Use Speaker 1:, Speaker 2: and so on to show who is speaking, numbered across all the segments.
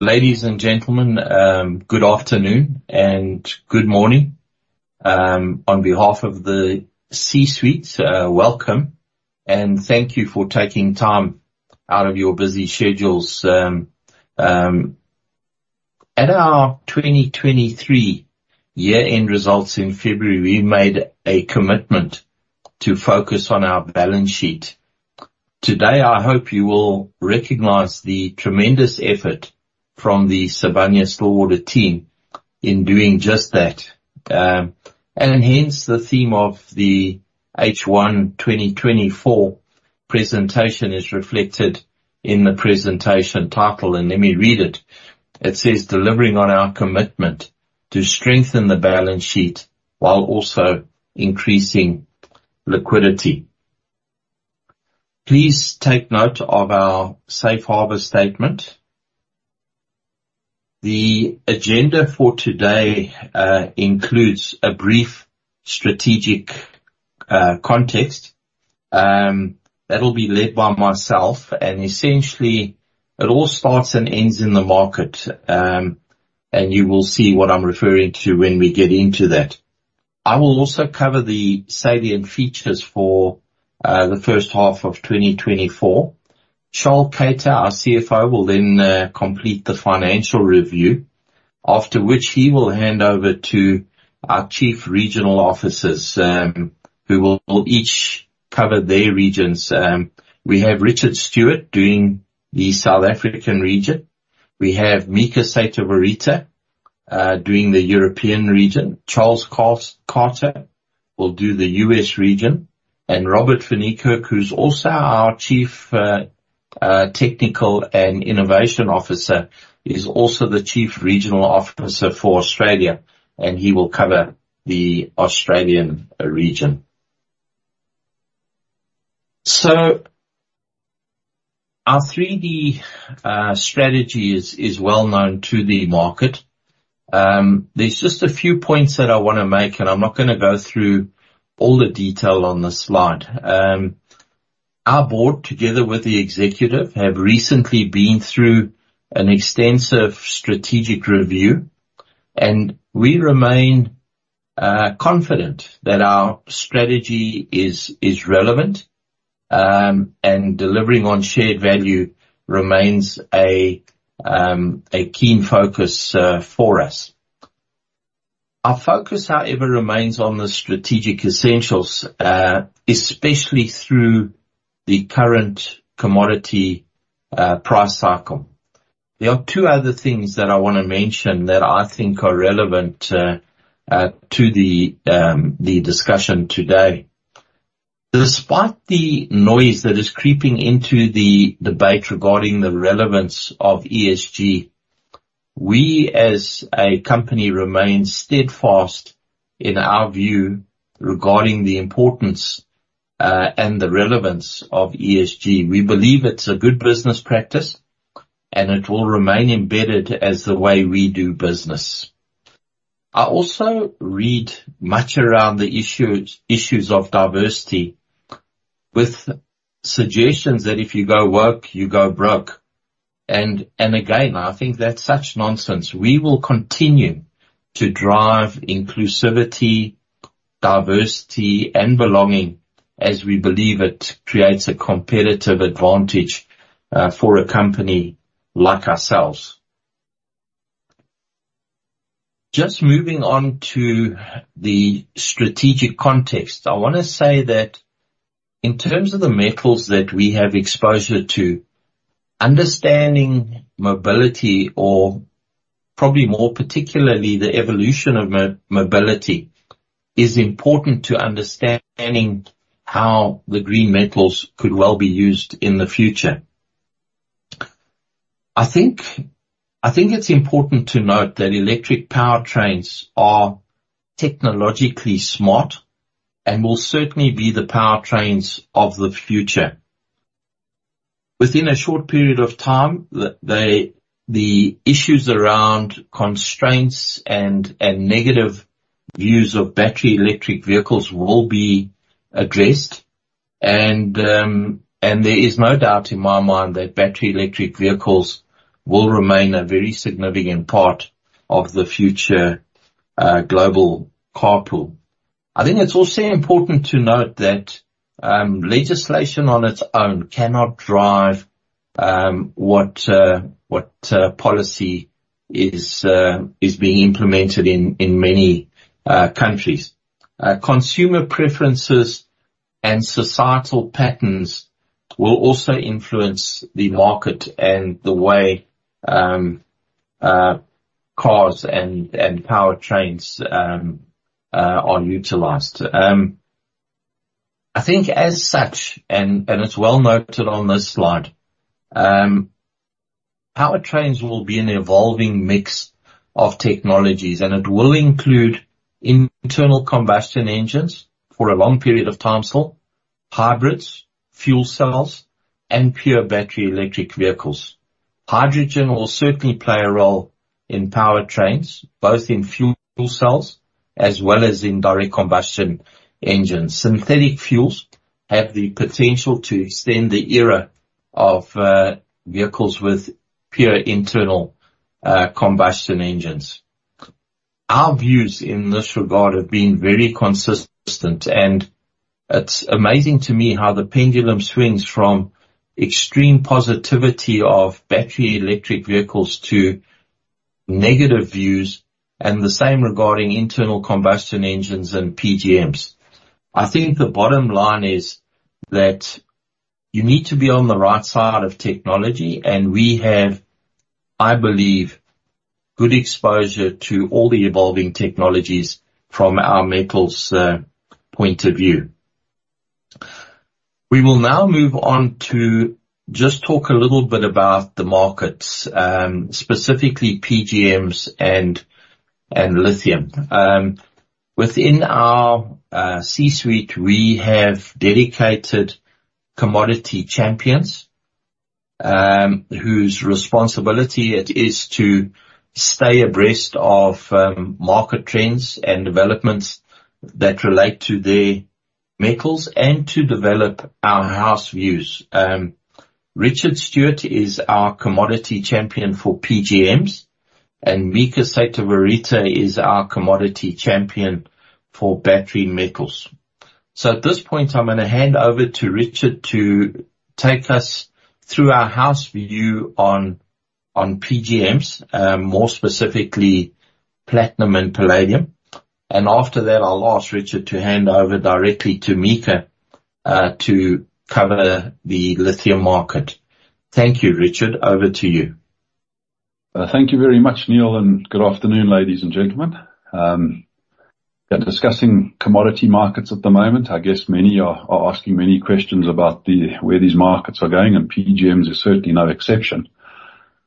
Speaker 1: Ladies and gentlemen, good afternoon and good morning. On behalf of the C-suite, welcome, and thank you for taking time out of your busy schedules. At our 2023 year-end results in February, we made a commitment to focus on our balance sheet. Today, I hope you will recognize the tremendous effort from the Sibanye-Stillwater team in doing just that, and hence the theme of the H1 2024 presentation is reflected in the presentation title, and let me read it. It says: Delivering on our commitment to strengthen the balance sheet while also increasing liquidity. Please take note of our safe harbor statement. The agenda for today includes a brief strategic context that will be led by myself, and essentially, it all starts and ends in the market, and you will see what I'm referring to when we get into that. I will also cover the salient features for the first half of 2024. Charl Keyter, our CFO, will then complete the financial review, after which he will hand over to our Chief Regional Officers, who will each cover their regions. We have Richard Stewart doing the South African region. We have Mika Seitovirta doing the European region. Charles Carter will do the U.S. region, and Robert van Niekerk, who's also our Chief Technical and Innovation Officer, is also the Chief Regional Officer for Australia, and he will cover the Australian region. So our 3D strategy is well-known to the market. There's just a few points that I wanna make, and I'm not gonna go through all the detail on the slide. Our board, together with the executive, have recently been through an extensive strategic review, and we remain confident that our strategy is relevant, and delivering on shared value remains a keen focus for us. Our focus, however, remains on the strategic essentials, especially through the current commodity price cycle. There are two other things that I wanna mention that I think are relevant to the discussion today. Despite the noise that is creeping into the debate regarding the relevance of ESG, we, as a company, remain steadfast in our view regarding the importance and the relevance of ESG. We believe it's a good business practice, and it will remain embedded as the way we do business. I also read much around the issues of diversity, with suggestions that if you go woke, you go broke. And again, I think that's such nonsense. We will continue to drive inclusivity, diversity and belonging, as we believe it creates a competitive advantage for a company like ourselves. Just moving on to the strategic context. I wanna say that in terms of the metals that we have exposure to, understanding mobility, or probably more particularly, the evolution of mobility, is important to understanding how the green metals could well be used in the future. I think it's important to note that electric powertrains are technologically smart and will certainly be the powertrains of the future. Within a short period of time, the issues around constraints and negative views of battery electric vehicles will be addressed, and there is no doubt in my mind that battery electric vehicles will remain a very significant part of the future global car pool. I think it's also important to note that, legislation on its own cannot drive what policy is being implemented in many countries. Consumer preferences and societal patterns will also influence the market and the way cars and powertrains are utilized. I think as such, and it's well noted on this slide, powertrains will be an evolving mix of technologies, and it will include internal combustion engines for a long period of time still, hybrids, fuel cells, and pure battery electric vehicles. Hydrogen will certainly play a role in powertrains, both in fuel cells as well as in direct combustion engines. Synthetic fuels have the potential to extend the era of vehicles with pure internal combustion engines. Our views in this regard have been very consistent, and it's amazing to me how the pendulum swings from extreme positivity of battery electric vehicles to negative views, and the same regarding internal combustion engines and PGMs. I think the bottom line is that you need to be on the right side of technology, and we have, I believe, good exposure to all the evolving technologies from our metals point of view. We will now move on to just talk a little bit about the markets, specifically PGMs and lithium. Within our C-suite, we have dedicated commodity champions whose responsibility it is to stay abreast of market trends and developments that relate to the metals and to develop our house views. Richard Stewart is our commodity champion for PGMs, and Mika Seitovirta is our commodity champion for battery metals. So at this point, I'm gonna hand over to Richard to take us through our house view on, on PGMs, more specifically platinum and palladium. And after that, I'll ask Richard to hand over directly to Mika, to cover the lithium market. Thank you, Richard. Over to you.
Speaker 2: Thank you very much, Neal, and good afternoon, ladies and gentlemen. We're discussing commodity markets at the moment. I guess many are asking many questions about where these markets are going, and PGMs are certainly no exception.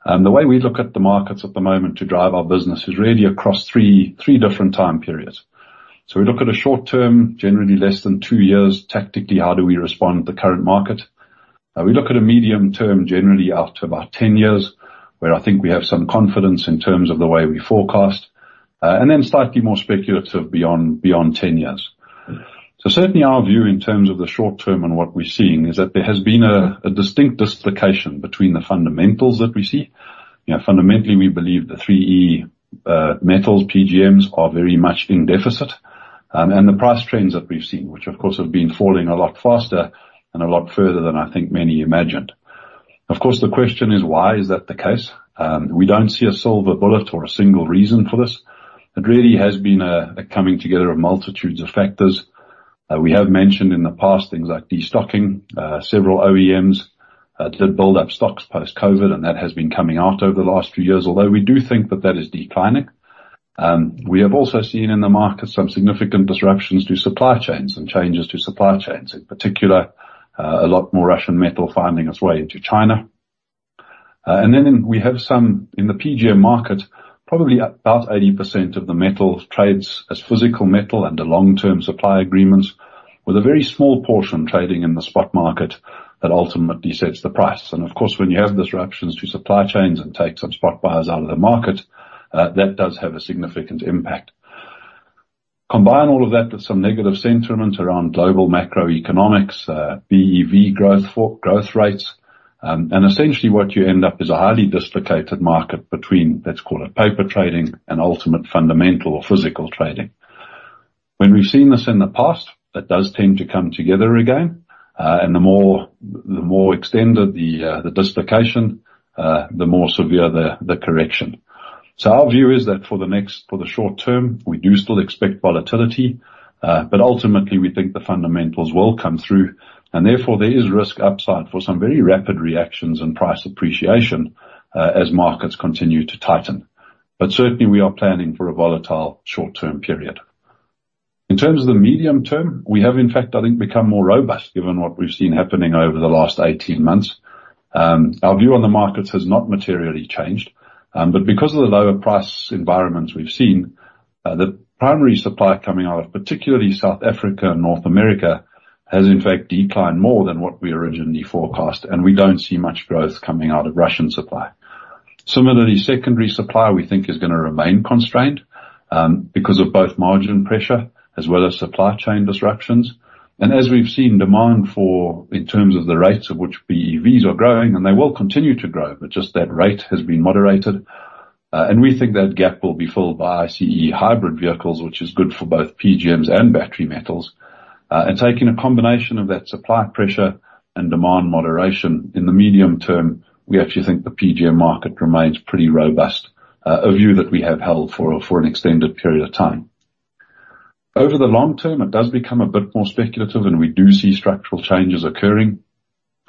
Speaker 2: And the way we look at the markets at the moment to drive our business is really across three different time periods. So we look at a short term, generally less than two years. Tactically, how do we respond to the current market? We look at a medium term, generally out to about 10 years, where I think we have some confidence in terms of the way we forecast, and then slightly more speculative beyond 10 years. So certainly our view in terms of the short term and what we're seeing is that there has been a distinct dislocation between the fundamentals that we see. You know, fundamentally, we believe the 3E metals, PGMs, are very much in deficit and the price trends that we've seen, which of course have been falling a lot faster and a lot further than I think many imagined. Of course, the question is why is that the case? We don't see a silver bullet or a single reason for this. It really has been a coming together of multitudes of factors. We have mentioned in the past things like destocking. Several OEMs did build up stocks post-COVID, and that has been coming out over the last few years, although we do think that that is declining. We have also seen in the market some significant disruptions to supply chains and changes to supply chains, in particular, a lot more Russian metal finding its way into China. And then we have some in the PGM market, probably about 80% of the metal trades as physical metal under long-term supply agreements, with a very small portion trading in the spot market that ultimately sets the price. And of course, when you have disruptions to supply chains and take some spot buyers out of the market, that does have a significant impact. Combine all of that with some negative sentiment around global macroeconomics, BEV growth rates, and essentially what you end up is a highly dislocated market between, let's call it, paper trading and ultimate fundamental or physical trading. When we've seen this in the past, it does tend to come together again, and the more extended the dislocation, the more severe the correction, so our view is that for the short term, we do still expect volatility, but ultimately, we think the fundamentals will come through, and therefore there is risk upside for some very rapid reactions and price appreciation, as markets continue to tighten, but certainly we are planning for a volatile short-term period. In terms of the medium term, we have, in fact, I think, become more robust given what we've seen happening over the last 18 months. Our view on the markets has not materially changed, but because of the lower price environments we've seen, the primary supply coming out of particularly South Africa and North America has in fact declined more than what we originally forecast, and we don't see much growth coming out of Russian supply. Similarly, secondary supply, we think, is gonna remain constrained because of both margin pressure as well as supply chain disruptions. And as we've seen, demand for, in terms of the rates at which BEVs are growing, and they will continue to grow, but just that rate has been moderated. And we think that gap will be filled by ICE hybrid vehicles, which is good for both PGMs and battery metals. Taking a combination of that supply pressure and demand moderation in the medium term, we actually think the PGM market remains pretty robust, a view that we have held for an extended period of time. Over the long term, it does become a bit more speculative, and we do see structural changes occurring.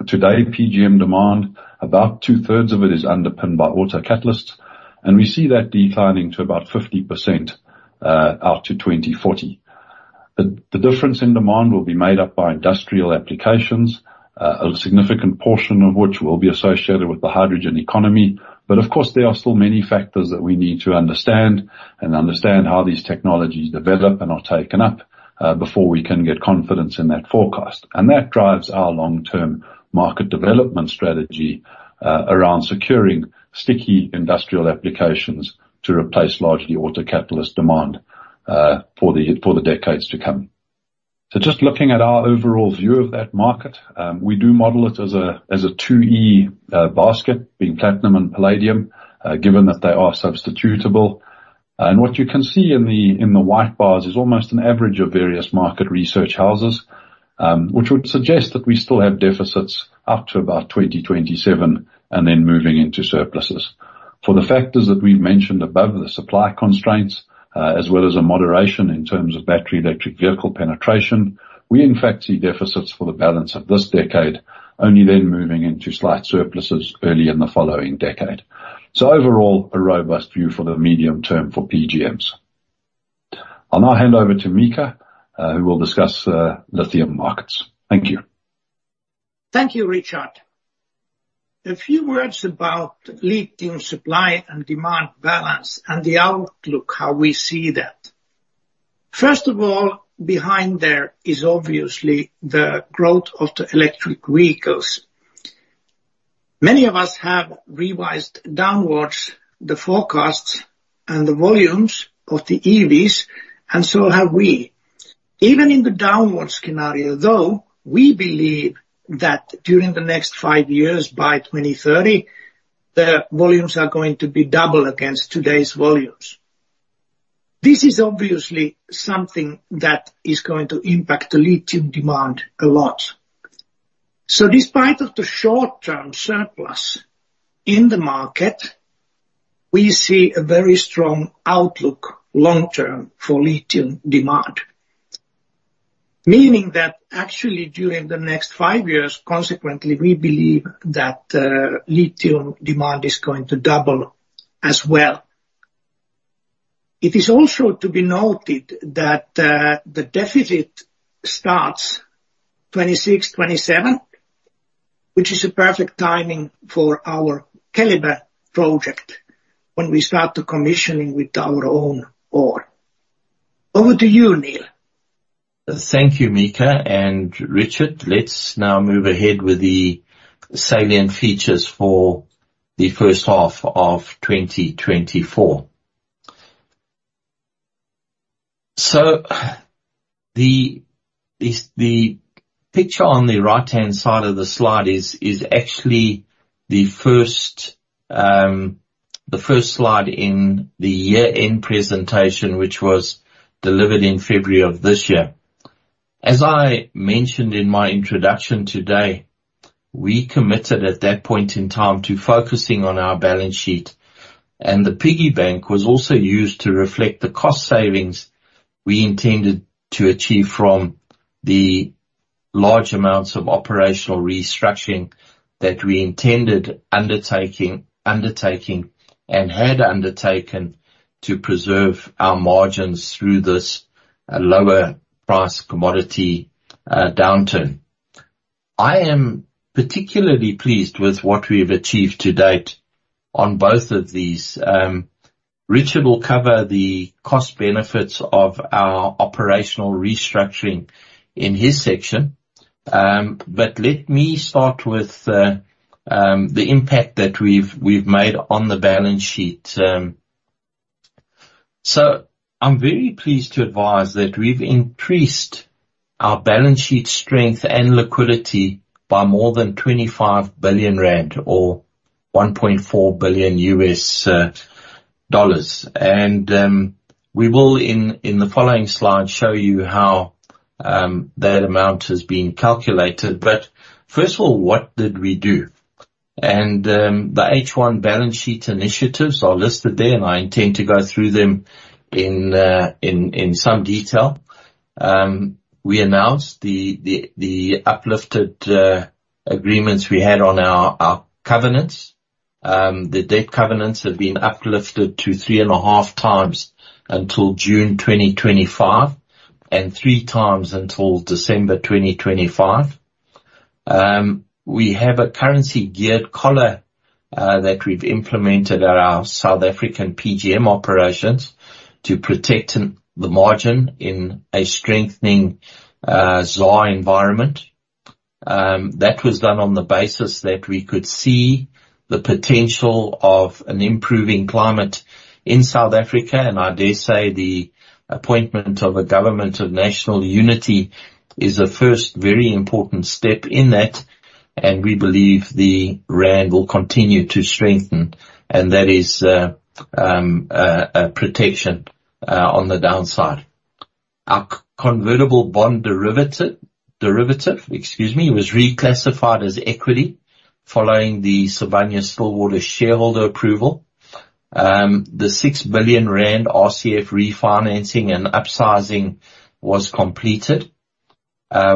Speaker 2: Today, PGM demand, about 2/3 of it is underpinned by autocatalysts, and we see that declining to about 50%, out to 2040. The difference in demand will be made up by industrial applications, a significant portion of which will be associated with the hydrogen economy. But of course, there are still many factors that we need to understand and understand how these technologies develop and are taken up, before we can get confidence in that forecast. That drives our long-term market development strategy around securing sticky industrial applications to replace largely autocatalyst demand for the decades to come. Just looking at our overall view of that market, we do model it as a 2E basket, being platinum and palladium, given that they are substitutable. What you can see in the white bars is almost an average of various market research houses, which would suggest that we still have deficits up to about 2027, and then moving into surpluses. For the factors that we've mentioned above, the supply constraints, as well as a moderation in terms of battery electric vehicle penetration, we in fact see deficits for the balance of this decade, only then moving into slight surpluses early in the following decade. So overall, a robust view for the medium term for PGMs. I'll now hand over to Mika, who will discuss lithium markets. Thank you.
Speaker 3: Thank you, Richard. A few words about lithium supply and demand balance and the outlook, how we see that. First of all, behind there is obviously the growth of the electric vehicles. Many of us have revised downwards the forecasts and the volumes of the EVs, and so have we. Even in the downward scenario, though, we believe that during the next five years, by 2030, the volumes are going to be double against today's volumes. This is obviously something that is going to impact the lithium demand a lot. So despite of the short-term surplus in the market, we see a very strong outlook long term for lithium demand. Meaning that actually during the next five years, consequently, we believe that lithium demand is going to double as well. It is also to be noted that the deficit starts 2026, 2027, which is a perfect timing for our Keliber project when we start the commissioning with our own ore. Over to you, Neal.
Speaker 1: Thank you, Mika and Richard. Let's now move ahead with the salient features for the first half of 2024. The picture on the right-hand side of the slide is actually the first slide in the year-end presentation, which was delivered in February of this year. As I mentioned in my introduction today, we committed at that point in time to focusing on our balance sheet, and the piggy bank was also used to reflect the cost savings we intended to achieve from the large amounts of operational restructuring that we intended undertaking and had undertaken to preserve our margins through this lower price commodity downturn. I am particularly pleased with what we've achieved to date on both of these. Richard will cover the cost benefits of our operational restructuring in his section. Let me start with the impact that we've made on the balance sheet. So I'm very pleased to advise that we've increased our balance sheet strength and liquidity by more than 25 billion rand, or $1.4 billion. We will in the following slide show you how that amount has been calculated. But first of all, what did we do? The H1 balance sheet initiatives are listed there, and I intend to go through them in some detail. We announced the uplifted agreements we had on our covenants. The debt covenants have been uplifted to 3.5x until June 2025, and 3x until December 2025. We have a currency geared collar that we've implemented at our South African PGM operations to protect the margin in a strengthening ZAR environment. That was done on the basis that we could see the potential of an improving climate in South Africa, and I dare say, the appointment of a Government of National Unity is a first very important step in that, and we believe the rand will continue to strengthen, and that is a protection on the downside. Our convertible bond derivative, excuse me, was reclassified as equity following the Sibanye-Stillwater shareholder approval. The 6 billion rand RCF refinancing and upsizing was completed.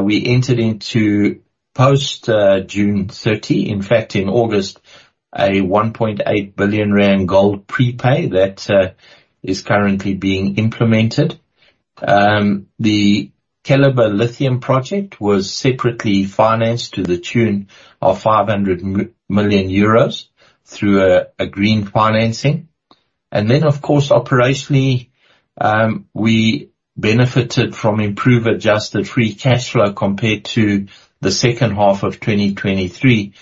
Speaker 1: We entered into post June 30, in fact, in August, a 1.8 billion rand gold prepay that is currently being implemented. The Keliber lithium project was separately financed to the tune of 500 million euros through a green financing. Then, of course, operationally, we benefited from improved adjusted free cash flow compared to the second half of 2023,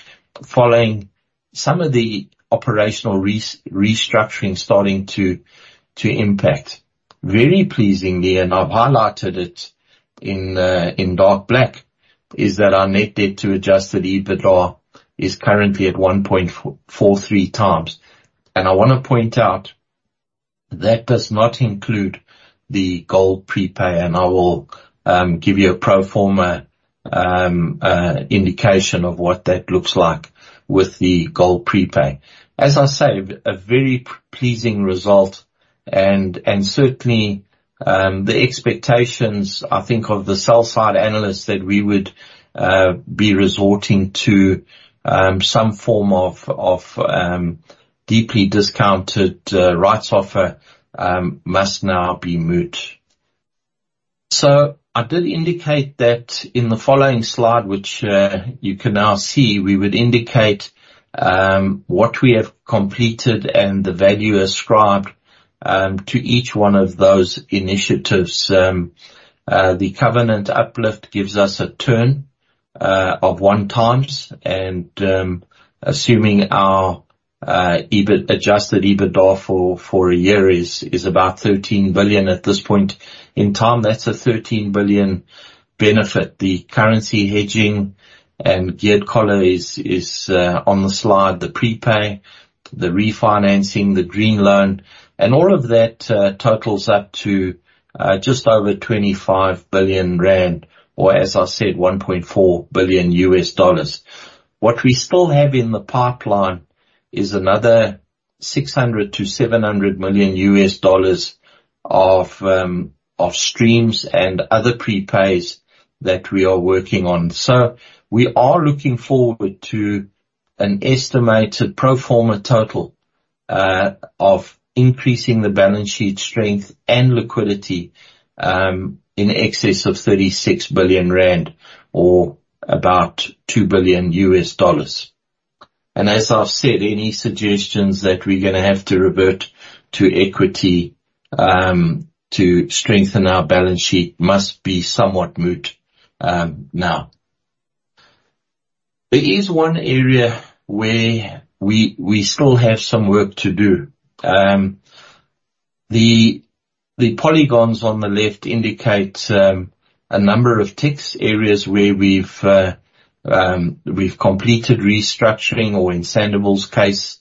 Speaker 1: following some of the operational restructuring starting to impact. Very pleasingly, and I've highlighted it in dark black, is that our net debt to adjusted EBITDA is currently at 1.43x. And I wanna point out, that does not include the gold prepay, and I will give you a pro forma indication of what that looks like with the gold prepay. As I said, a very pleasing result, and certainly the expectations, I think, of the sell-side analysts, that we would be resorting to some form of deeply discounted rights offer must now be moot. So I did indicate that in the following slide, which you can now see, we would indicate what we have completed and the value ascribed to each one of those initiatives. The covenant uplift gives us a turn of 1x, and assuming our adjusted EBITDA for a year is about 13 billion at this point in time, that's a 13 billion benefit. The currency hedging and geared collar is on the slide, the prepay, the refinancing, the green loan, and all of that totals up to just over 25 billion rand, or, as I said, $1.4 billion. What we still have in the pipeline is another $600 million-$700 million of streams and other prepays that we are working on. So we are looking forward to an estimated pro forma total of increasing the balance sheet strength and liquidity in excess of 36 billion rand or about $2 billion. And as I've said, any suggestions that we're gonna have to revert to equity to strengthen our balance sheet must be somewhat moot now. There is one area where we still have some work to do. The polygons on the left indicate a number of ticks, areas where we've completed restructuring, or in Sandouville's case,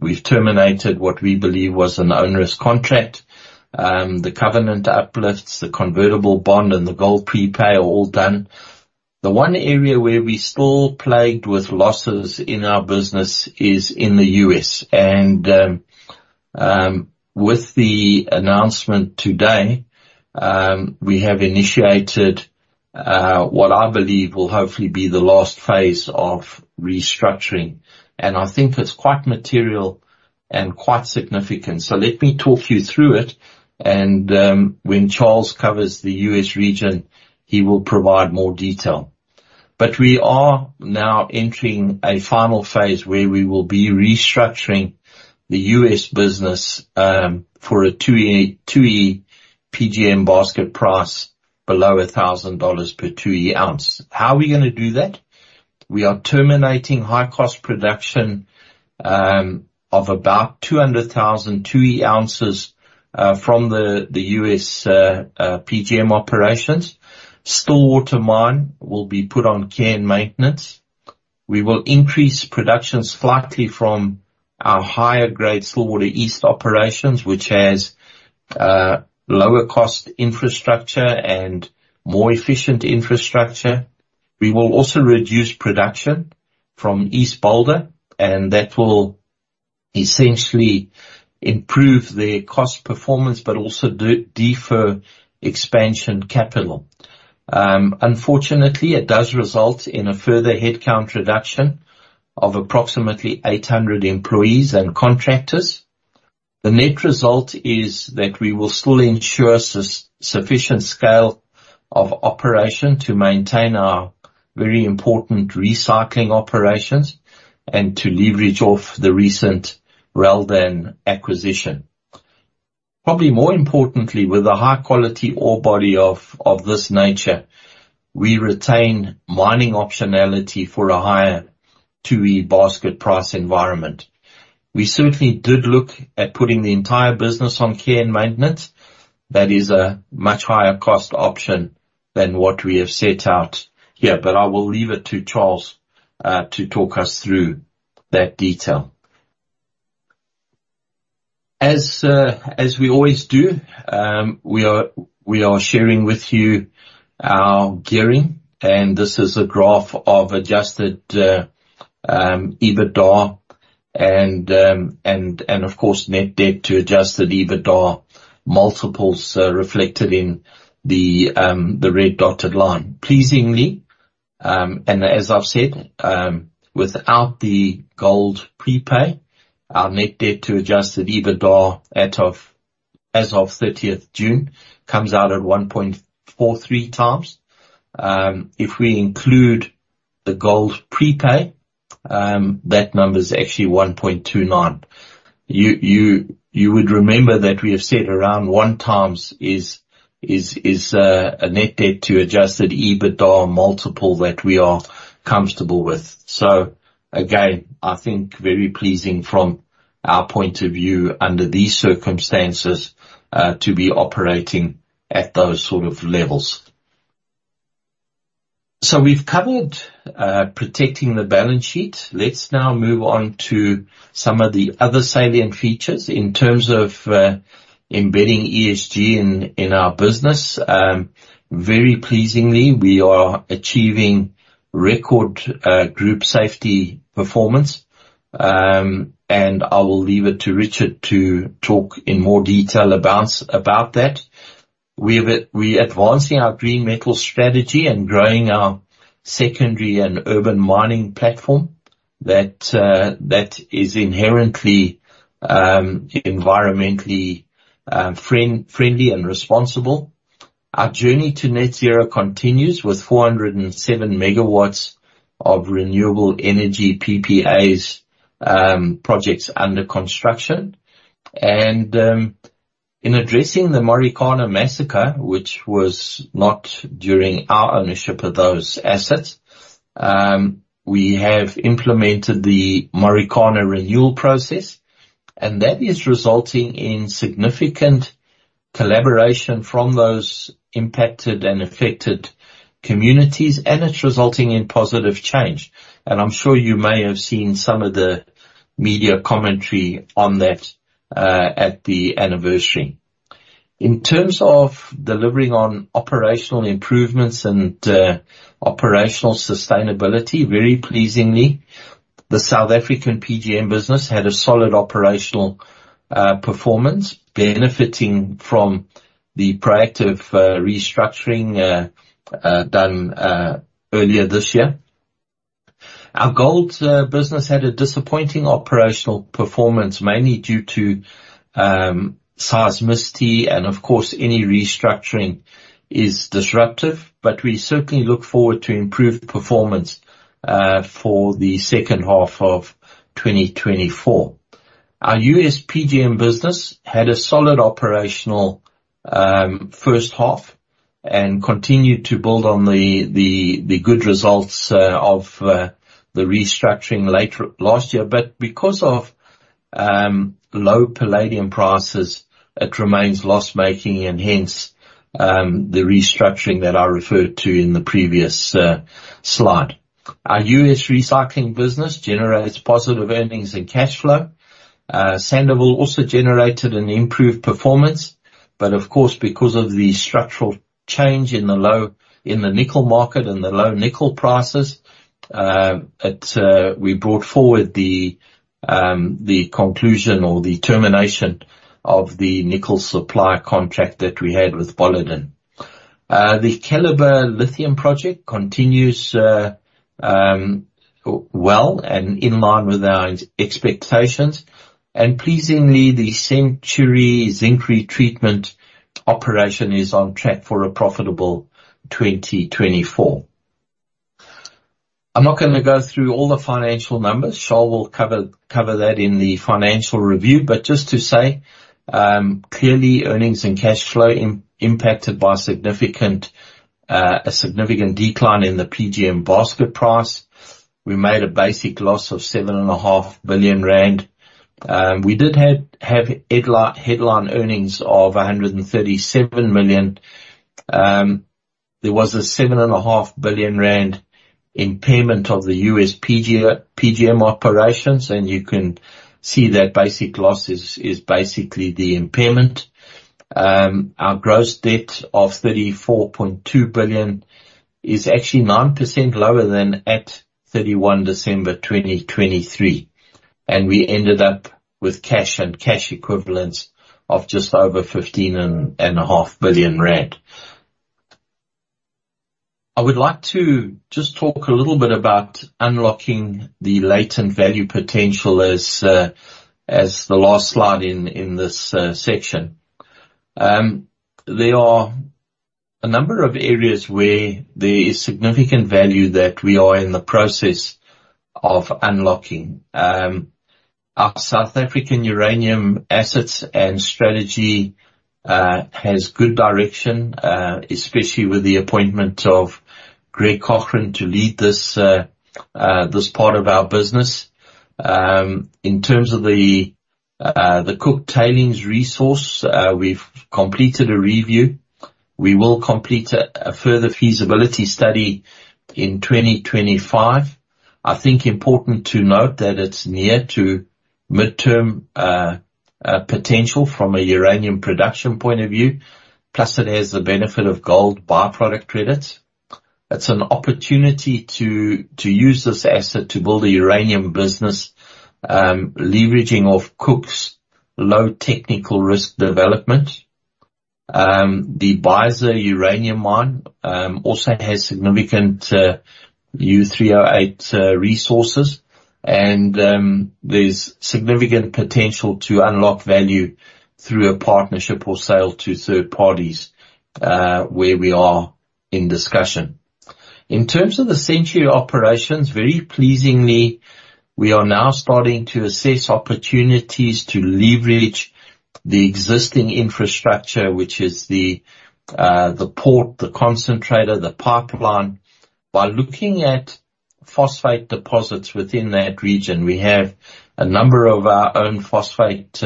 Speaker 1: we've terminated what we believe was an onerous contract. The covenant uplifts, the convertible bond, and the gold prepay are all done. The one area where we're still plagued with losses in our business is in the U.S., and with the announcement today, we have initiated what I believe will hopefully be the last phase of restructuring, and I think it's quite material and quite significant, so let me talk you through it, and when Charles covers the U.S. region, he will provide more detail, but we are now entering a final phase where we will be restructuring the U.S. business for a 2E PGM basket price below $1,000 per 2E ounce. How are we gonna do that? We are terminating high-cost production of about 200,000 2E oz from the U.S. PGM operations. Stillwater mine will be put on care and maintenance. We will increase productions slightly from our higher-grade Stillwater East operations, which has lower cost infrastructure and more efficient infrastructure. We will also reduce production from East Boulder, and that will essentially improve their cost performance, but also defer expansion capital. Unfortunately, it does result in a further headcount reduction of approximately 800 employees and contractors. The net result is that we will still ensure sufficient scale of operation to maintain our very important recycling operations and to leverage off the recent Reldan acquisition. Probably more importantly, with a high-quality ore body of this nature, we retain mining optionality for a higher 2E basket price environment. We certainly did look at putting the entire business on care and maintenance. That is a much higher cost option than what we have set out here, but I will leave it to Charles to talk us through that detail. As we always do, we are sharing with you our gearing, and this is a graph of adjusted EBITDA and of course net debt to adjusted EBITDA multiples, reflected in the red dotted line. Pleasingly, and as I've said, without the gold prepay, our net debt to adjusted EBITDA as of 30th June comes out at 1.43x. If we include the gold prepay, that number is actually 1.29. You would remember that we have said around 1x is a net debt to adjusted EBITDA multiple that we are comfortable with. So again, I think very pleasing from our point of view, under these circumstances, to be operating at those sort of levels. So we've covered protecting the balance sheet. Let's now move on to some of the other salient features in terms of embedding ESG in our business. Very pleasingly, we are achieving record group safety performance, and I will leave it to Richard to talk in more detail about that. We're advancing our green metal strategy and growing our secondary and urban mining platform that is inherently environmentally friendly and responsible. Our journey to Net Zero continues with 407 MW of renewable energy PPAs, projects under construction. And in addressing the Marikana massacre, which was not during our ownership of those assets, we have implemented the Marikana renewal process, and that is resulting in significant collaboration from those impacted and affected communities, and it's resulting in positive change. And I'm sure you may have seen some of the media commentary on that at the anniversary. In terms of delivering on operational improvements and operational sustainability, very pleasingly, the South African PGM business had a solid operational performance, benefiting from the proactive restructuring done earlier this year. Our gold business had a disappointing operational performance, mainly due to seismicity, and of course, any restructuring is disruptive, but we certainly look forward to improved performance for the second half of 2024. Our U.S. PGM business had a solid operational first half and continued to build on the good results of the restructuring later last year. But because of low palladium prices, it remains loss-making and hence the restructuring that I referred to in the previous slide. Our U.S. recycling business generates positive earnings and cashflow. Sandouville also generated an improved performance, but of course, because of the structural change in the nickel market and the low nickel prices, we brought forward the conclusion or the termination of the nickel supply contract that we had with Boliden. The Keliber lithium project continues well and in line with our expectations and pleasingly, the Century zinc retreatment operation is on track for a profitable 2024. I'm not gonna go through all the financial numbers. Charl will cover that in the financial review, but just to say, clearly, earnings and cashflow impacted by a significant decline in the PGM basket price. We made a basic loss of 7.5 billion rand. We did have headline earnings of 137 million. There was a 7.5 billion rand impairment of the U.S. PGM operations, and you can see that basic loss is basically the impairment. Our gross debt of 34.2 billion is actually 9% lower than at 31 December 2023, and we ended up with cash and cash equivalents of just over 15.5 billion rand. I would like to just talk a little bit about unlocking the latent value potential as the last slide in this section. There are a number of areas where there is significant value that we are in the process of unlocking. Our South African uranium assets and strategy has good direction, especially with the appointment of Greg Cochran to lead this part of our business. In terms of the Cooke tailings resource, we've completed a review. We will complete a further feasibility study in 2025. I think important to note that it's near to midterm potential from a uranium production point of view, plus it has the benefit of gold byproduct credits. It's an opportunity to use this asset to build a uranium business, leveraging off Cooke's low technical risk development. The Beisa uranium mine also has significant U3O8 resources, and there's significant potential to unlock value through a partnership or sale to third parties, where we are in discussion. In terms of the Century operations, very pleasingly, we are now starting to assess opportunities to leverage the existing infrastructure, which is the port, the concentrator, the pipeline. By looking at phosphate deposits within that region, we have a number of our own phosphate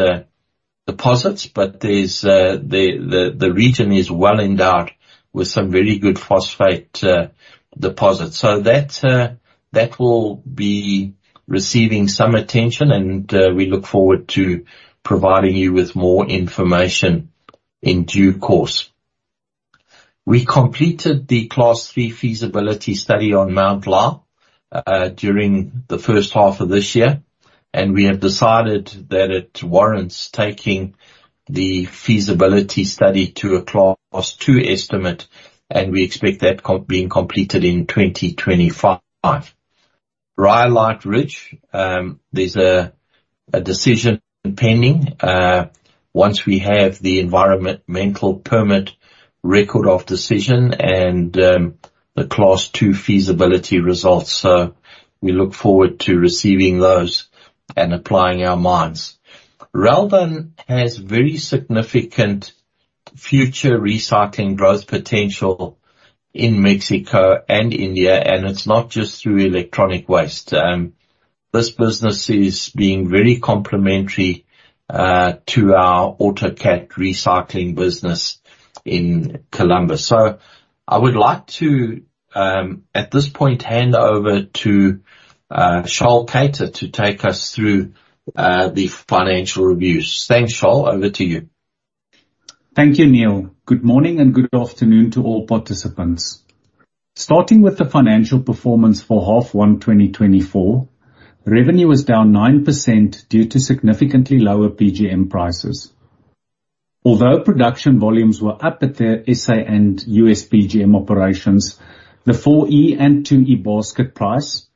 Speaker 1: deposits, but the region is well-endowed with some very good phosphate deposits. So that will be receiving some attention, and, we look forward to providing you with more information in due course. We completed the Class 3 feasibility study on Mt Lyell, during the first half of this year, and we have decided that it warrants taking the feasibility study to a Class 2 estimate, and we expect that being completed in 2025. Rhyolite Ridge, there's a decision pending. Once we have the environmental permit record of decision and, the Class 2 feasibility results, so we look forward to receiving those and applying our minds. Reldan has very significant future recycling growth potential in Mexico and India, and it's not just through electronic waste. This business is being very complementary, to our autocat recycling business in Columbus. I would like to, at this point, hand over to Charl Keyter to take us through the financial reviews. Thanks, Charl. Over to you.
Speaker 4: Thank you, Neal. Good morning and good afternoon to all participants. Starting with the financial performance for half one 2024, revenue was down 9% due to significantly lower PGM prices. Although production volumes were up at the SA and U.S. PGM operations, the 4E and 2E basket price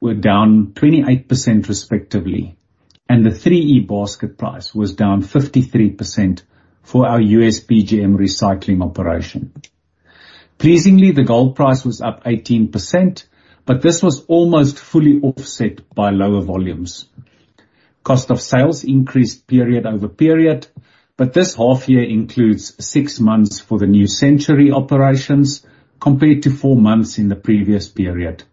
Speaker 4: were down 28%, respectively, and the 3E basket price was down 53% for our U.S. PGM recycling operation. Pleasingly, the gold price was up 18%, but this was almost fully offset by lower volumes. Cost of sales increased period-over-period, but this half year includes six months for the new Century operations, compared to four months in the previous period,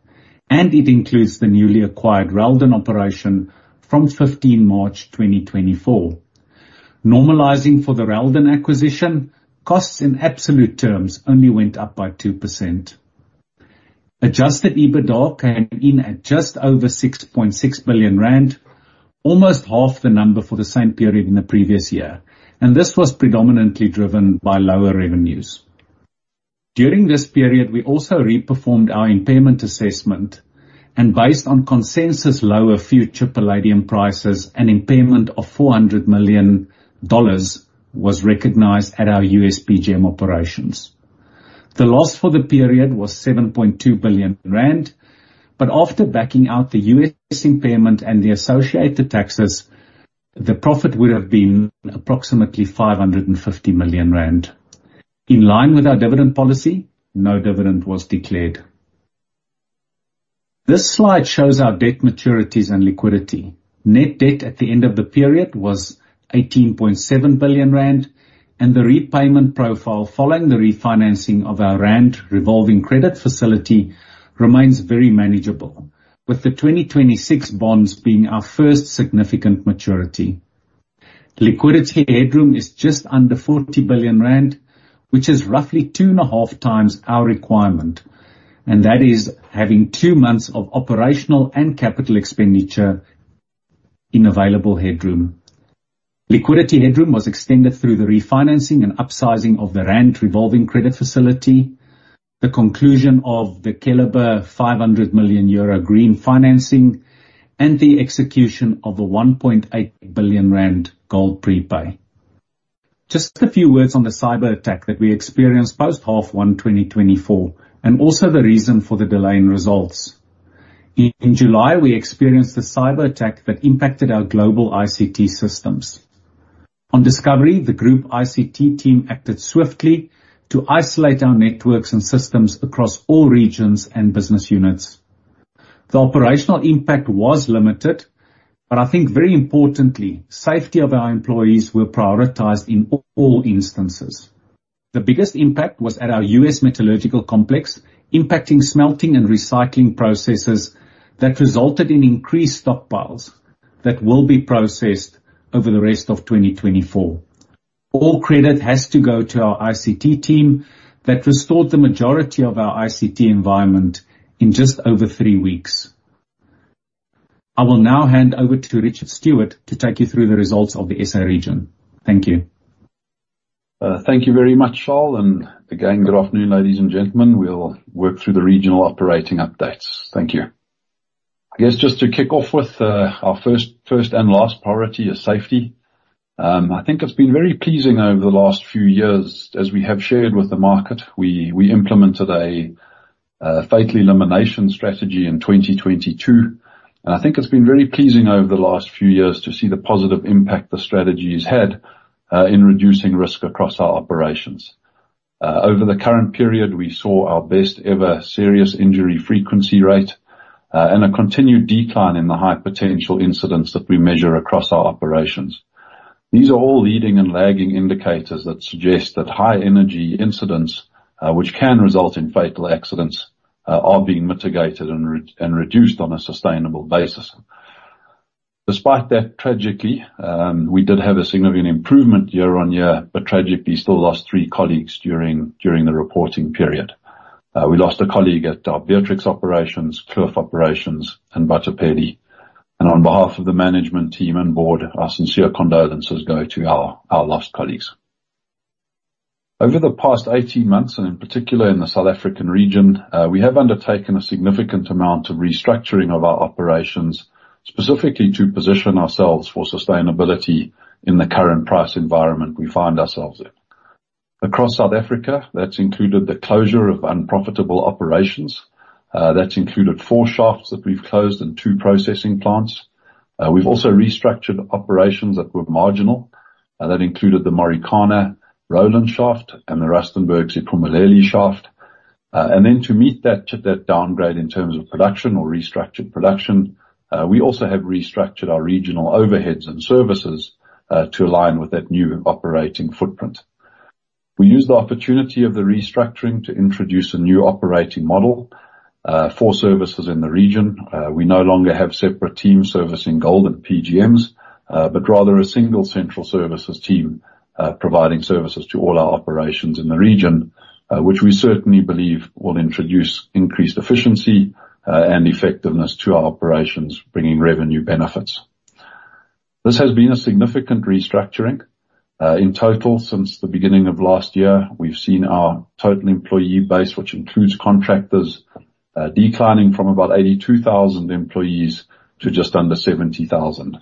Speaker 4: and it includes the newly acquired Reldan operation from 15 March 2024. Normalizing for the Reldan acquisition, costs in absolute terms only went up by 2%. Adjusted EBITDA came in at just over 6.6 billion rand, almost half the number for the same period in the previous year, and this was predominantly driven by lower revenues. During this period, we also reperformed our impairment assessment, and based on consensus, lower future palladium prices, an impairment of $400 million was recognized at our U.S. PGM operations. The loss for the period was 7.2 billion rand, but after backing out the U.S. impairment and the associated taxes, the profit would have been approximately 550 million rand. In line with our dividend policy, no dividend was declared. This slide shows our debt maturities and liquidity. Net debt at the end of the period was 18.7 billion rand, and the repayment profile following the refinancing of our rand revolving credit facility remains very manageable, with the 2026 bonds being our first significant maturity. Liquidity headroom is just under 40 billion rand, which is roughly 2.5x our requirement, and that is having two months of operational and capital expenditure in available headroom. Liquidity headroom was extended through the refinancing and upsizing of the rand revolving credit facility, the conclusion of the Keliber 500 million euro green financing, and the execution of a 1.8 billion rand gold prepay. Just a few words on the cyberattack that we experienced post half one 2024, and also the reason for the delay in results. In July, we experienced a cyberattack that impacted our global ICT systems. On discovery, the group ICT team acted swiftly to isolate our networks and systems across all regions and business units. The operational impact was limited, but I think very importantly, safety of our employees were prioritized in all instances. The biggest impact was at our U.S. metallurgical complex, impacting smelting and recycling processes that resulted in increased stockpiles that will be processed over the rest of 2024. All credit has to go to our ICT team that restored the majority of our ICT environment in just over three weeks. I will now hand over to Richard Stewart to take you through the results of the SA region. Thank you.
Speaker 2: Thank you very much, Charl, and again, good afternoon, ladies and gentlemen. We'll work through the regional operating updates. Thank you. I guess just to kick off with our first and last priority is safety. I think it's been very pleasing over the last few years. As we have shared with the market, we implemented a Fatal elimination strategy in 2022, and I think it's been very pleasing over the last few years to see the positive impact the strategy has had in reducing risk across our operations. Over the current period, we saw our best ever serious injury frequency rate, and a continued decline in the high potential incidents that we measure across our operations. These are all leading and lagging indicators that suggest that high energy incidents, which can result in fatal accidents, are being mitigated and reduced on a sustainable basis. Despite that, tragically, we did have a significant improvement year-on-year, but tragically, still lost three colleagues during the reporting period. We lost a colleague at our Beatrix operations, Kloof operations, and Bathopele. On behalf of the management team and board, our sincere condolences go to our lost colleagues. Over the past 18, and in particular in the South African region, we have undertaken a significant amount of restructuring of our operations, specifically to position ourselves for sustainability in the current price environment we find ourselves in. Across South Africa, that's included the closure of unprofitable operations. That's included four shafts that we've closed and two processing plants. We've also restructured operations that were marginal, and that included the Marikana Rowland shaft and the Rustenburg Siphumelele shaft, and then to meet that downgrade in terms of production or restructured production, we also have restructured our regional overheads and services, to align with that new operating footprint. We used the opportunity of the restructuring to introduce a new operating model, for services in the region. We no longer have separate teams servicing gold and PGMs, but rather a single central services team, providing services to all our operations in the region, which we certainly believe will introduce increased efficiency, and effectiveness to our operations, bringing revenue benefits. This has been a significant restructuring. In total, since the beginning of last year, we've seen our total employee base, which includes contractors, declining from about 82,000 employees to just under 70,000.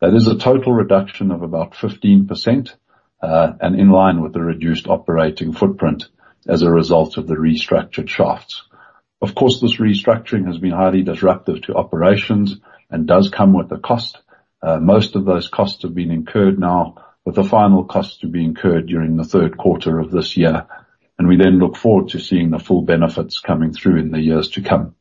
Speaker 2: That is a total reduction of about 15%, and in line with the reduced operating footprint as a result of the restructured shafts. Of course, this restructuring has been highly disruptive to operations and does come with a cost. Most of those costs have been incurred now, with the final costs to be incurred during the third quarter of this year, and we then look forward to seeing the full benefits coming through in the years to come.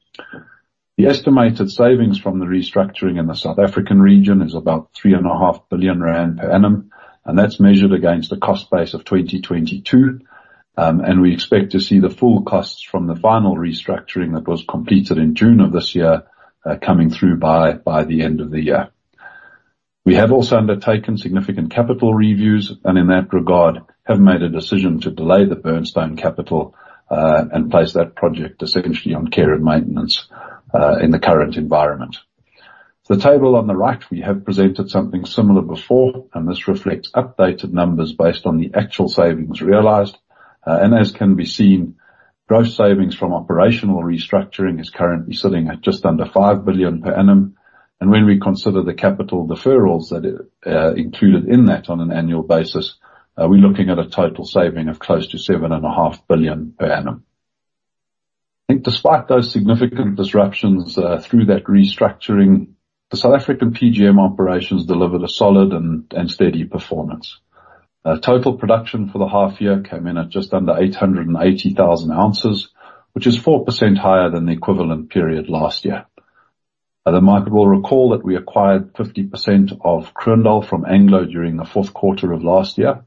Speaker 2: The estimated savings from the restructuring in the South African region is about 3.5 billion rand per annum, and that's measured against the cost base of 2022, and we expect to see the full costs from the final restructuring that was completed in June of this year, coming through by the end of the year. We have also undertaken significant capital reviews, and in that regard, have made a decision to delay the Burnstone capital, and place that project essentially on care and maintenance, in the current environment. The table on the right, we have presented something similar before, and this reflects updated numbers based on the actual savings realized. And as can be seen, gross savings from operational restructuring is currently sitting at just under 5 billion per annum, and when we consider the capital deferrals that are included in that on an annual basis, we're looking at a total saving of close to 7.5 billion per annum. I think despite those significant disruptions through that restructuring, the South African PGM operations delivered a solid and steady performance. Total production for the half year came in at just under 880,000 oz, which is 4% higher than the equivalent period last year. The market will recall that we acquired 50% of Kroondal from Anglo during the fourth quarter of last year,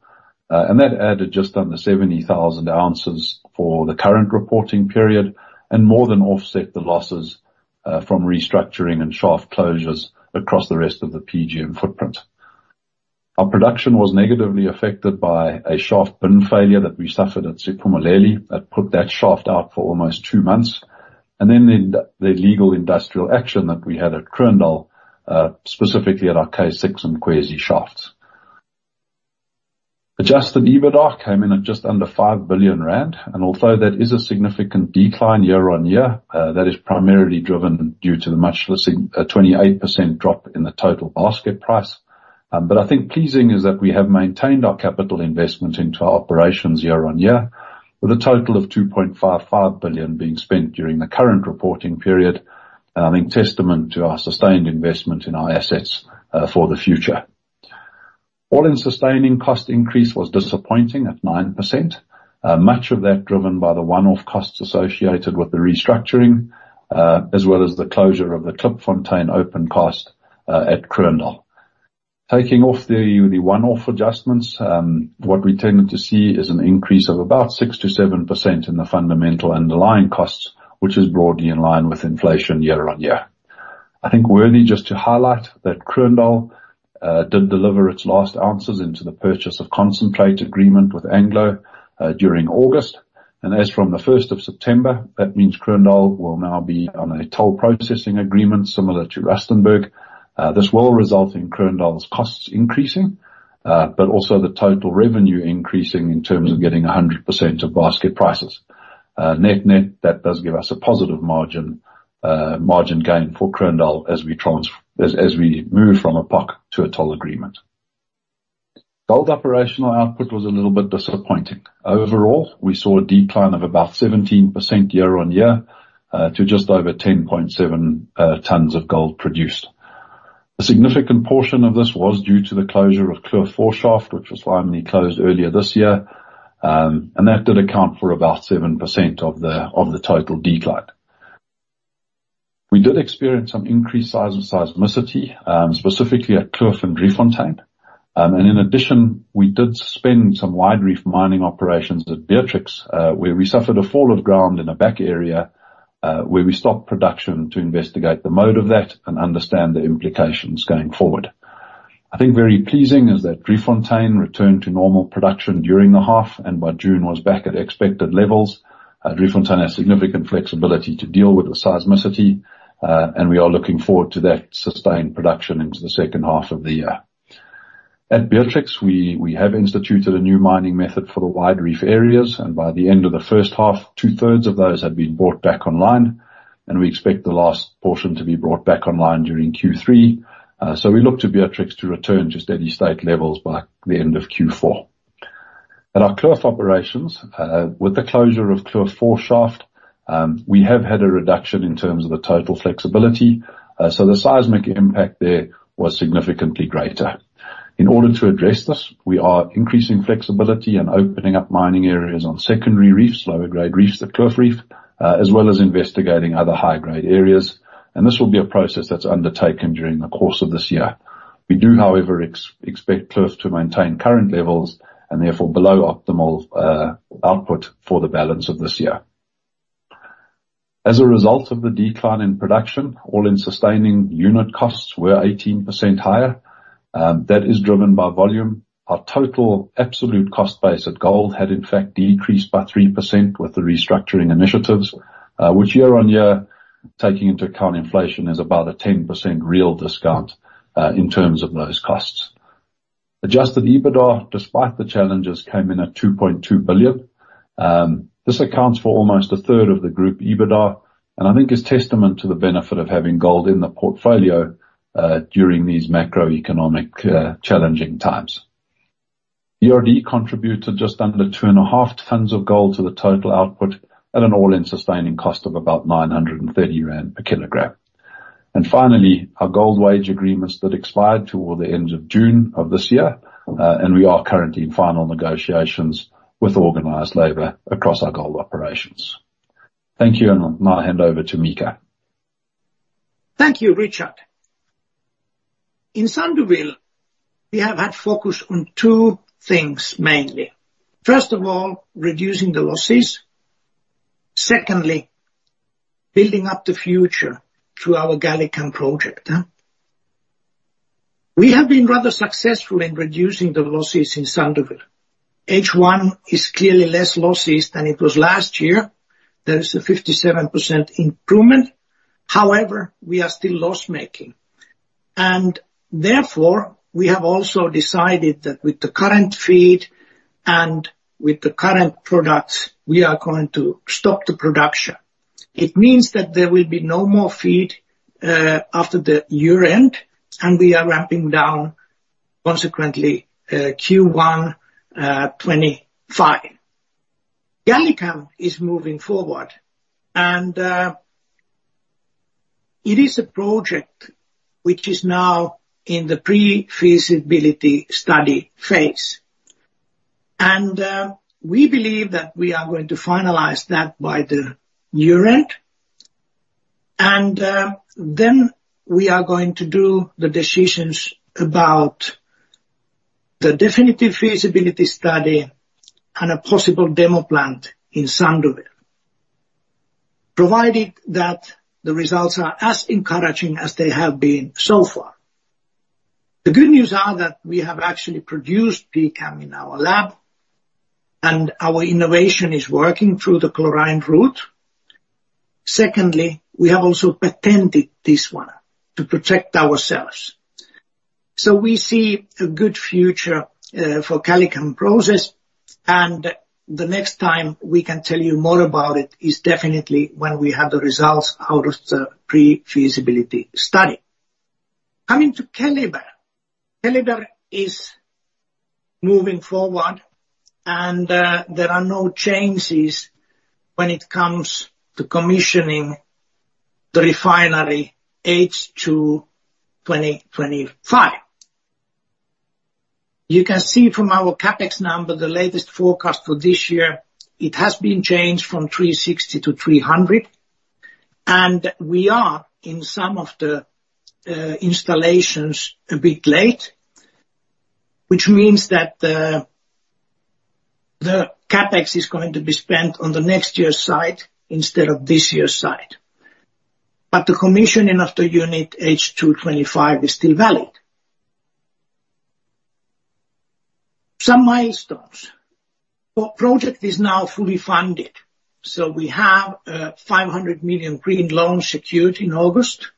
Speaker 2: and that added just under 70,000 oz for the current reporting period, and more than offset the losses from restructuring and shaft closures across the rest of the PGM footprint. Our production was negatively affected by a shaft bin failure that we suffered at Siphumelele, that put that shaft out for almost two months. And then the legal industrial action that we had at Kroondal, specifically at our K6 and Kwezi shafts. Adjusted EBITDA came in at just under 5 billion rand. And although that is a significant decline year-on-year, that is primarily driven due to the much less 28% drop in the total basket price. But I think pleasing is that we have maintained our capital investment into our operations year-on-year, with a total of 2.55 billion being spent during the current reporting period, and I think testament to our sustained investment in our assets, for the future. All-in Sustaining Costs increase was disappointing at 9%. Much of that driven by the one-off costs associated with the restructuring, as well as the closure of the Klipfontein open cast, at Kroondal. Taking off the one-off adjustments, what we tended to see is an increase of about 6%-7% in the fundamental underlying costs, which is broadly in line with inflation year-on-year. I think worthy just to highlight that Kroondal did deliver its last ounces into the purchase of concentrate agreement with Anglo, during August. As from the first of September, that means Kroondal will now be on a toll processing agreement similar to Rustenburg. This will result in Kroondal's costs increasing, but also the total revenue increasing in terms of getting 100% of basket prices. Net-net, that does give us a positive margin, margin gain for Kroondal as we move from a PoC to a toll agreement. Gold operational output was a little bit disappointing. Overall, we saw a decline of about 17% year-on-year to just over 10.7 tons of gold produced. A significant portion of this was due to the closure of Kloof 4 shaft, which was finally closed earlier this year, and that did account for about 7% of the total decline. We did experience some increased seismicity, specifically at Kloof and Driefontein. In addition, we did suspend some wide reef mining operations at Beatrix, where we suffered a fall of ground in a back area, where we stopped production to investigate the mode of that and understand the implications going forward. I think very pleasing is that Driefontein returned to normal production during the half, and by June, was back at expected levels. Driefontein has significant flexibility to deal with the seismicity, and we are looking forward to that sustained production into the second half of the year. At Beatrix, we have instituted a new mining method for the wide reef areas, and by the end of the first half, 2/3 of those had been brought back online, and we expect the last portion to be brought back online during Q3. So we look to Beatrix to return to steady state levels by the end of Q4. At our Kloof operations, with the closure of Kloof 4 shaft, we have had a reduction in terms of the total flexibility, so the seismic impact there was significantly greater. In order to address this, we are increasing flexibility and opening up mining areas on secondary reefs, lower grade reefs, the Kloof reef, as well as investigating other high-grade areas, and this will be a process that's undertaken during the course of this year. We do, however, expect Kloof to maintain current levels and therefore below optimal output for the balance of this year. As a result of the decline in production, all-in sustaining unit costs were 18% higher. That is driven by volume. Our total absolute cost base at gold had in fact decreased by 3% with the restructuring initiatives, which year-on-year, taking into account inflation, is about a 10% real discount, in terms of those costs. Adjusted EBITDA, despite the challenges, came in at 2.2 billion. This accounts for almost 1/3 of the group EBITDA, and I think is testament to the benefit of having gold in the portfolio, during these macroeconomic, challenging times. DRD contributed just under 2.5 tons of gold to the total output at an all-in sustaining cost of about 930 rand per kilogram. And finally, our gold wage agreements that expired toward the end of June of this year, and we are currently in final negotiations with organized labor across our gold operations. Thank you, and I'll now hand over to Mika.
Speaker 3: Thank you, Richard. In Sandouville, we have had focus on two things mainly. First of all, reducing the losses. Secondly, building up the future through our GalliCam project. We have been rather successful in reducing the losses in Sandouville. H1 is clearly less losses than it was last year. There is a 57% improvement. However, we are still loss-making, and therefore, we have also decided that with the current feed and with the current products, we are going to stop the production. It means that there will be no more feed after the year-end, and we are ramping down consequently, Q1 2025. GalliCam is moving forward, and it is a project which is now in the pre-feasibility study phase. We believe that we are going to finalize that by the year-end. Then we are going to do the decisions about the definitive feasibility study and a possible demo plant in Sandouville, provided that the results are as encouraging as they have been so far. The good news are that we have actually produced pCAM in our lab, and our innovation is working through the chlorine route. Secondly, we have also patented this one to protect ourselves. We see a good future for GalliCam process, and the next time we can tell you more about it is definitely when we have the results out of the pre-feasibility study. Coming to Keliber. Keliber is moving forward, and there are no changes when it comes to commissioning the refinery H2 2025. You can see from our CapEx number, the latest forecast for this year, it has been changed from 360 to 300, and we are in some of the installations a bit late, which means that the CapEx is going to be spent on the next year's side instead of this year's side. But the commissioning of the unit H2 2025 is still valid. Some milestones. Our project is now fully funded, so we have a 500 million green loan secured in August,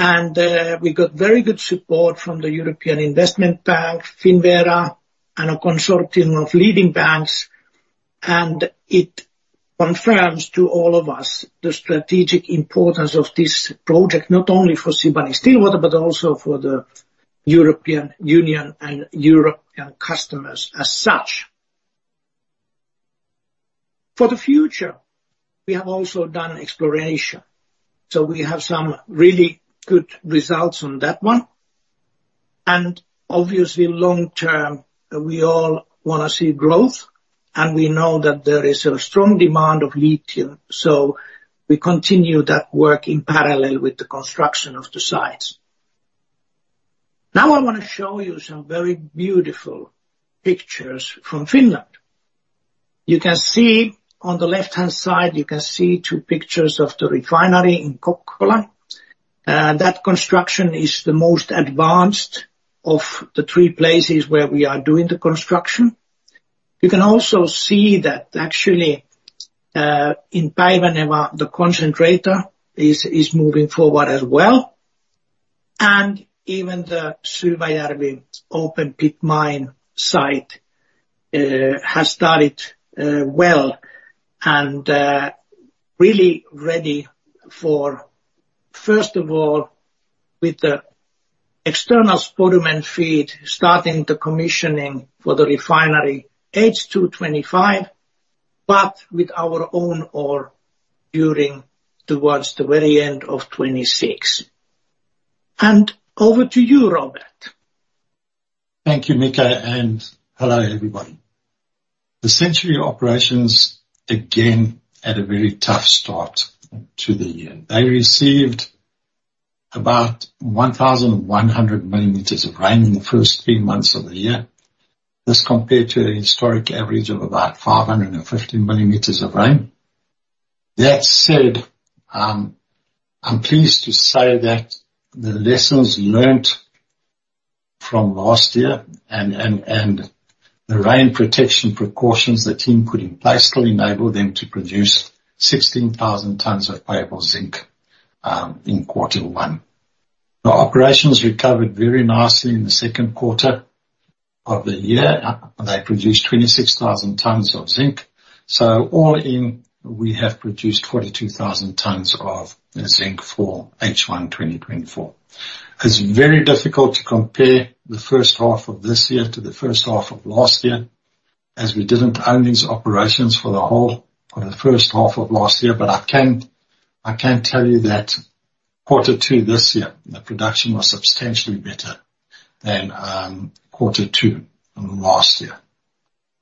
Speaker 3: and we got very good support from the European Investment Bank, Finnvera, and a consortium of leading banks. And it confirms to all of us, the strategic importance of this project, not only for Sibanye-Stillwater, but also for the European Union and European customers as such. For the future, we have also done exploration, so we have some really good results on that one. Obviously, long term, we all wanna see growth, and we know that there is a strong demand of lithium, so we continue that work in parallel with the construction of the sites. Now, I wanna show you some very beautiful pictures from Finland. You can see, on the left-hand side, you can see two pictures of the refinery in Kokkola. That construction is the most advanced of the three places where we are doing the construction. You can also see that actually, in Päiväneva, the concentrator is moving forward as well. Even the Syväjärvi open pit mine site has started well and really ready for, first of all, with the external spodumene feed, starting the commissioning for the refinery H2 2025, but with our own ore during, towards the very end of 2026. Over to you, Robert.
Speaker 5: Thank you, Mika, and hello, everybody. The Century operations again had a very tough start to the year. They received about 1,100 mm of rain in the first three months of the year. This compared to a historic average of about 550 mm of rain. That said, I'm pleased to say that the lessons learned from last year and the rain protection precautions the team put in place to enable them to produce 16,000 tons of payable zinc in quarter one. The operations recovered very nicely in the second quarter of the year. They produced 26,000 tons of zinc. So all in, we have produced 42,000 tons of zinc for H1 2024. It's very difficult to compare the first half of this year to the first half of last year, as we didn't own these operations for the whole for the first half of last year. But I can, I can tell you that quarter two this year, the production was substantially better than quarter two from last year.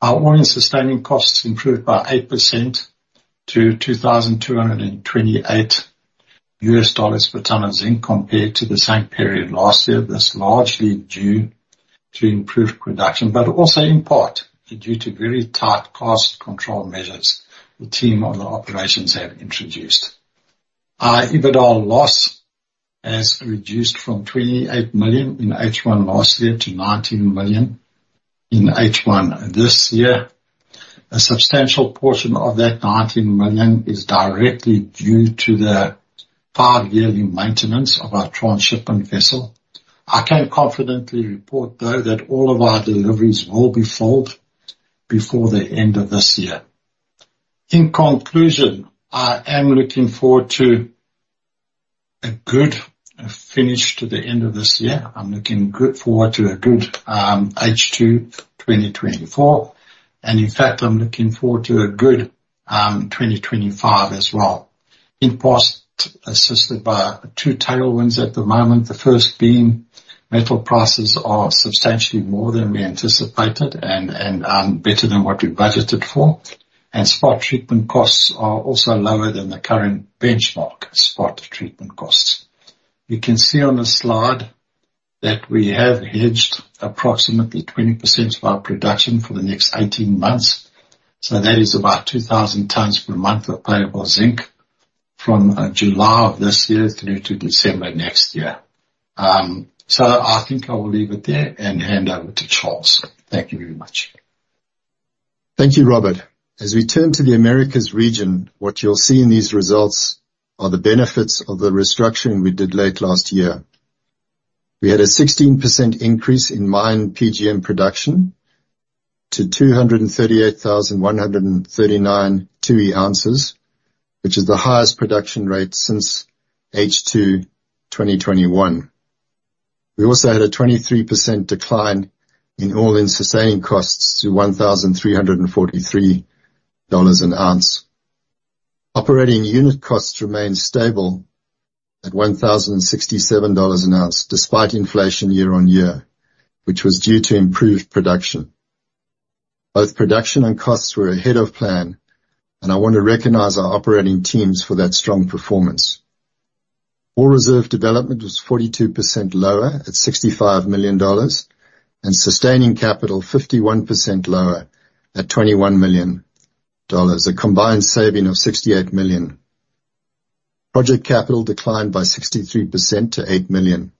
Speaker 5: Our all-in sustaining costs improved by 8% to $2,228 per ton of zinc, compared to the same period last year. This is largely due to improved production, but also in part due to very tight cost control measures the team on the operations have introduced. Our EBITDA loss has reduced from $28 million in H1 last year to $19 million in H1 this year. A substantial portion of that $19 million is directly due to the five-yearly maintenance of our transshipment vessel. I can confidently report, though, that all of our deliveries will be filled before the end of this year. In conclusion, I am looking forward to a good finish to the end of this year. I'm looking forward to a good H2 2024, and in fact, I'm looking forward to a good 2025 as well, in part assisted by two tailwinds at the moment. The first being, metal prices are substantially more than we anticipated and better than what we budgeted for, and spot treatment costs are also lower than the current benchmark spot treatment costs. You can see on the slide that we have hedged approximately 20% of our production for the next 18 months, so that is about 2,000 tons per month of payable zinc from July of this year through to December next year. So I think I will leave it there and hand over to Charles. Thank you very much.
Speaker 6: Thank you, Robert. As we turn to the Americas region, what you'll see in these results are the benefits of the restructuring we did late last year. We had a 16% increase in mine PGM production to 238,139 2E oz, which is the highest production rate since H2 2021. We also had a 23% decline in all-in sustaining costs to $1,343 an ounce. Operating unit costs remained stable at $1,067 an ounce, despite inflation year-on-year, which was due to improved production. Both production and costs were ahead of plan, and I want to recognize our operating teams for that strong performance. Ore reserve development was 42% lower at $65 million, and sustaining capital, 51% lower at $21 million, a combined saving of $68 million. Project capital declined by 63% to $8 million.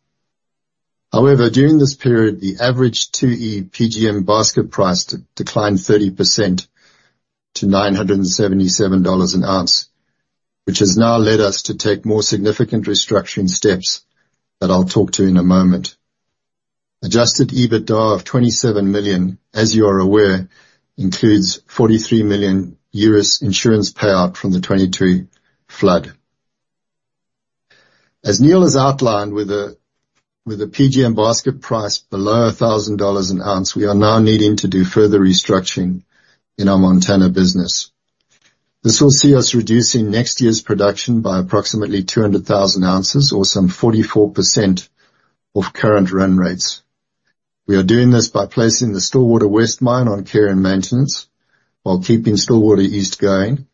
Speaker 6: However, during this period, the average 2E PGM basket price declined 30% to $977 an ounce, which has now led us to take more significant restructuring steps that I'll talk to in a moment. Adjusted EBITDA of $27 million, as you are aware, includes 43 million insurance payout from the [2022] flood. As Neal has outlined, with a PGM basket price below $1,000 an ounce, we are now needing to do further restructuring in our Montana business. This will see us reducing next year's production by approximately 200,000 oz or some 44% of current run rates. We are doing this by placing the Stillwater West Mine on care and maintenance, while keeping Stillwater East going,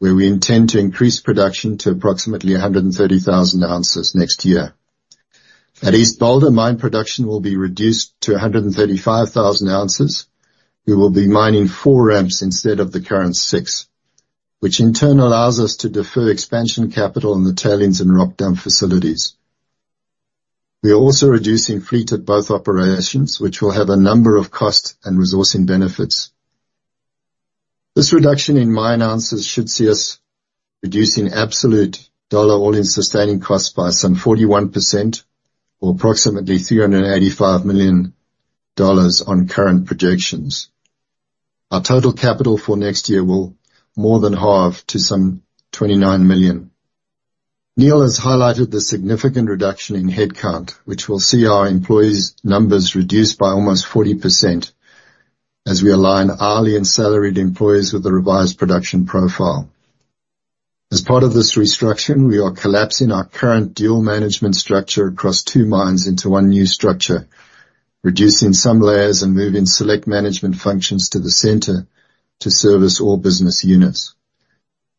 Speaker 6: where we intend to increase production to approximately 130,000 oz next year. At East Boulder, mine production will be reduced to 135,000 oz. We will be mining four ramps instead of the current six, which in turn allows us to defer expansion capital in the tailings and rock dump facilities. We are also reducing fleet at both operations, which will have a number of cost and resourcing benefits. This reduction in mine ounces should see us reducing absolute dollar all-in sustaining costs by some 41% or approximately $385 million on current projections. Our total capital for next year will more than halve to some $29 million. Neal has highlighted the significant reduction in headcount, which will see our employees' numbers reduced by almost 40% as we align hourly and salaried employees with a revised production profile. As part of this restructure, we are collapsing our current dual management structure across two mines into one new structure, reducing some layers and moving select management functions to the center to service all business units.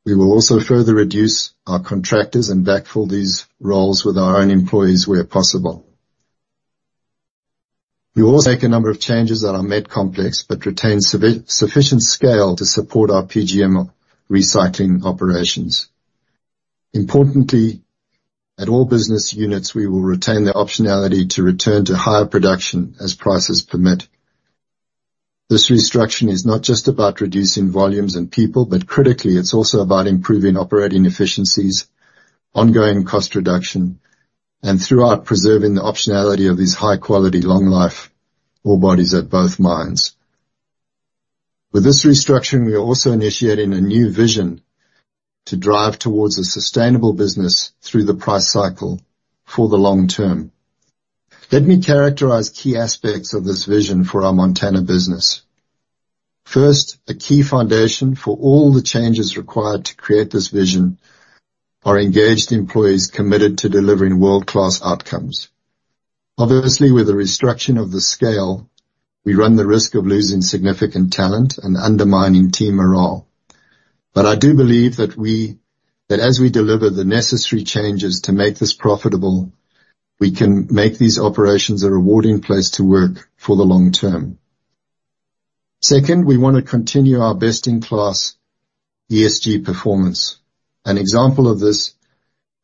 Speaker 6: We will also further reduce our contractors and backfill these roles with our own employees where possible. We will also make a number of changes on our Met Complex, but retain sufficient scale to support our PGM recycling operations. Importantly, at all business units, we will retain the optionality to return to higher production as prices permit. This restructure is not just about reducing volumes and people, but critically, it's also about improving operating efficiencies, ongoing cost reduction, and throughout, preserving the optionality of these high quality, long life ore bodies at both mines. With this restructuring, we are also initiating a new vision to drive towards a sustainable business through the price cycle for the long term. Let me characterize key aspects of this vision for our Montana business. First, a key foundation for all the changes required to create this vision are engaged employees committed to delivering world-class outcomes. Obviously, with the restructuring of the scale, we run the risk of losing significant talent and undermining team morale. But I do believe that as we deliver the necessary changes to make this profitable, we can make these operations a rewarding place to work for the long term. Second, we want to continue our best-in-class ESG performance. An example of this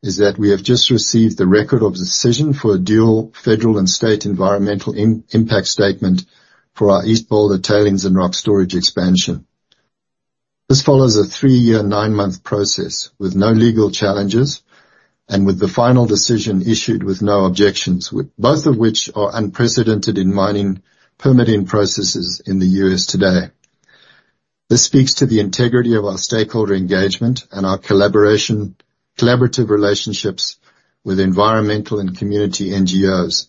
Speaker 6: is that we have just received the record of decision for a dual federal and state environmental impact statement for our East Boulder tailings and rock storage expansion. This follows a three-year, nine-month process with no legal challenges and with the final decision issued with no objections, both of which are unprecedented in mining permitting processes in the U.S. today. This speaks to the integrity of our stakeholder engagement and our collaborative relationships with environmental and community NGOs.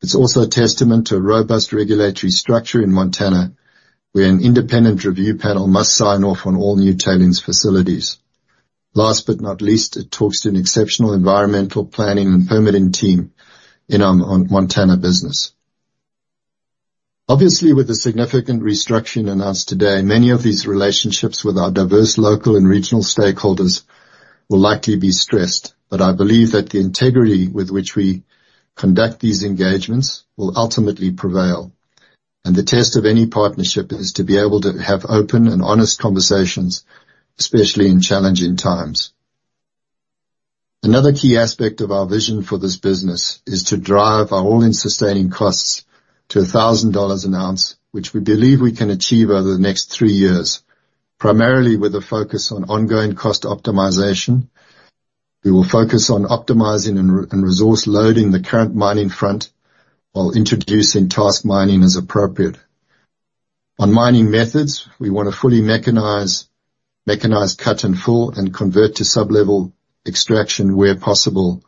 Speaker 6: It's also a testament to a robust regulatory structure in Montana, where an independent review panel must sign off on all new tailings facilities. Last but not least, it talks to an exceptional environmental planning and permitting team in our Montana business. Obviously, with the significant restructuring announced today, many of these relationships with our diverse local and regional stakeholders will likely be stressed, but I believe that the integrity with which we conduct these engagements will ultimately prevail, and the test of any partnership is to be able to have open and honest conversations, especially in challenging times. Another key aspect of our vision for this business is to drive our all-in sustaining costs to $1,000 an ounce, which we believe we can achieve over the next three years, primarily with a focus on ongoing cost optimization. We will focus on optimizing and resource loading the current mining front while introducing task mining as appropriate. On mining methods, we want to fully mechanize cut-and-fill, and convert to sub-level extraction where possible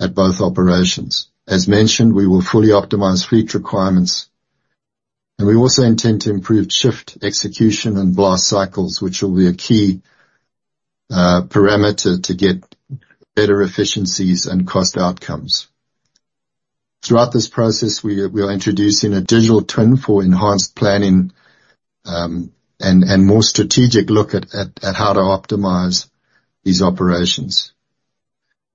Speaker 6: at both operations. As mentioned, we will fully optimize fleet requirements, and we also intend to improve shift execution and blast cycles, which will be a key parameter to get better efficiencies and cost outcomes. Throughout this process, we are introducing a digital twin for enhanced planning, and more strategic look at how to optimize these operations.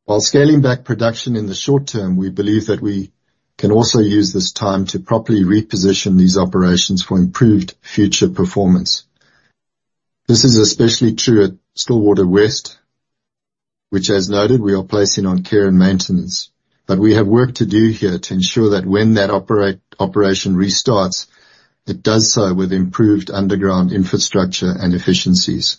Speaker 6: While scaling back production in the short term, we believe that we can also use this time to properly reposition these operations for improved future performance. This is especially true at Stillwater West, which, as noted, we are placing on care and maintenance, but we have work to do here to ensure that when that operation restarts, it does so with improved underground infrastructure and efficiencies.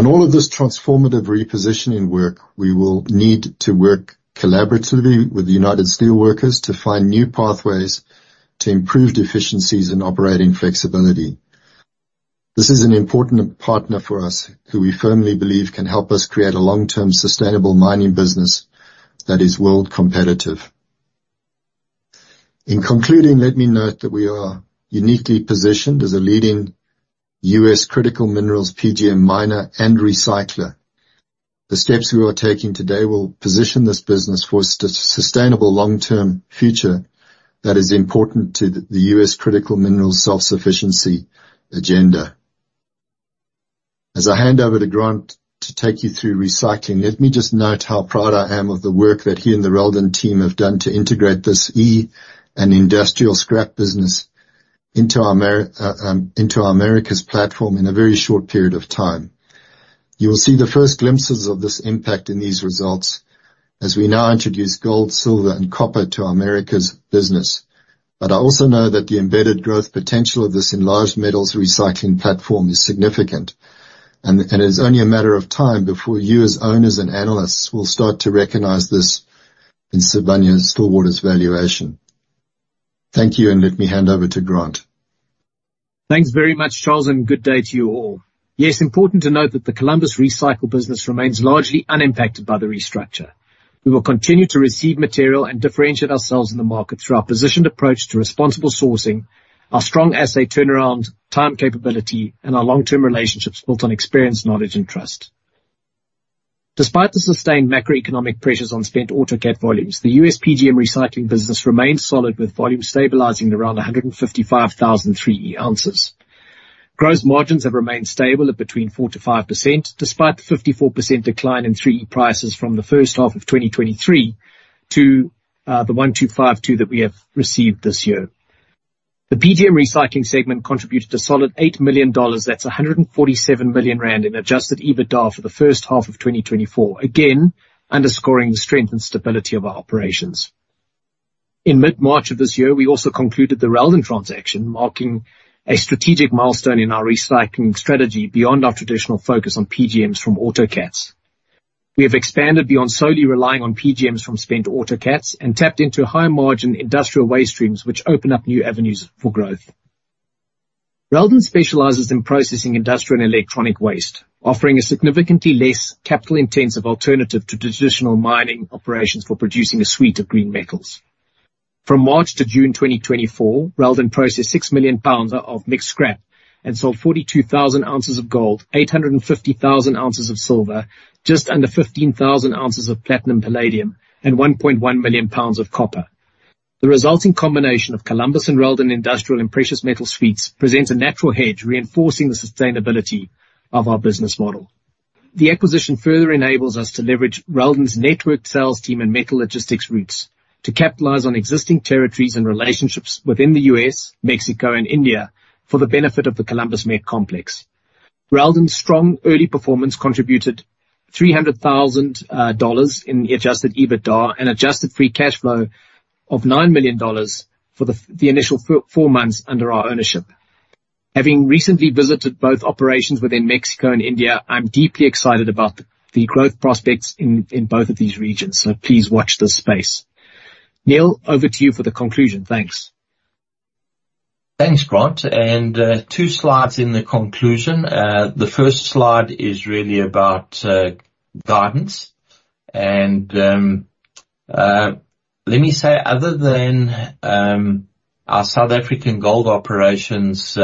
Speaker 6: On all of this transformative repositioning work, we will need to work collaboratively with the United Steelworkers to find new pathways to improved efficiencies and operating flexibility. This is an important partner for us, who we firmly believe can help us create a long-term, sustainable mining business that is world competitive. In concluding, let me note that we are uniquely positioned as a leading U.S. critical minerals PGM miner and recycler. The steps we are taking today will position this business for sustainable long-term future that is important to the U.S. critical minerals self-sufficiency agenda. As I hand over to Grant to take you through recycling, let me just note how proud I am of the work that he and the Reldan team have done to integrate this E and industrial scrap business into our Americas platform in a very short period of time. You will see the first glimpses of this impact in these results as we now introduce gold, silver, and copper to our Americas business. But I also know that the embedded growth potential of this enlarged metals recycling platform is significant, and it's only a matter of time before you, as owners and analysts, will start to recognize this in Sibanye-Stillwater's valuation. Thank you, and let me hand over to Grant.
Speaker 7: Thanks very much, Charles, and good day to you all. Yeah, it's important to note that the Columbus recycle business remains largely unimpacted by the restructure. We will continue to receive material and differentiate ourselves in the market through our positioned approach to responsible sourcing, our strong assay turnaround, time capability, and our long-term relationships built on experience, knowledge, and trust. Despite the sustained macroeconomic pressures on spent autocat volumes, the U.S. PGM recycling business remains solid, with volumes stabilizing at around 155,000 3E oz. Gross margins have remained stable at between 4%-5%, despite the 54% decline in 3E prices from the first half of 2023 to the $1,252 that we have received this year. The PGM recycling segment contributed a solid $8 million, that's 147 million rand, in adjusted EBITDA for the first half of 2024, again, underscoring the strength and stability of our operations. In mid-March of this year, we also concluded the Reldan transaction, marking a strategic milestone in our recycling strategy beyond our traditional focus on PGMs from autocats. We have expanded beyond solely relying on PGMs from spent autocats and tapped into high-margin industrial waste streams, which open up new avenues for growth. Reldan specializes in processing industrial and electronic waste, offering a significantly less capital-intensive alternative to traditional mining operations for producing a suite of green metals. From March to June 2024, Reldan processed 6 million lbs of mixed scrap and sold 42,000 oz of gold, 850,000 oz of silver, just under 15,000 oz of platinum, palladium, and 1.1 million lbs of copper. The resulting combination of Columbus and Reldan industrial and precious metal suites presents a natural hedge, reinforcing the sustainability of our business model. The acquisition further enables us to leverage Reldan's network sales team and metal logistics routes to capitalize on existing territories and relationships within the U.S., Mexico, and India for the benefit of the Columbus Met Complex. Reldan's strong early performance contributed $300,000 in adjusted EBITDA and adjusted free cash flow of $9 million for the initial four months under our ownership. Having recently visited both operations within Mexico and India, I'm deeply excited about the growth prospects in both of these regions, so please watch this space. Neal, over to you for the conclusion. Thanks.
Speaker 1: Thanks, Grant, and two slides in the conclusion. The first slide is really about guidance. And let me say, other than our South African gold operations,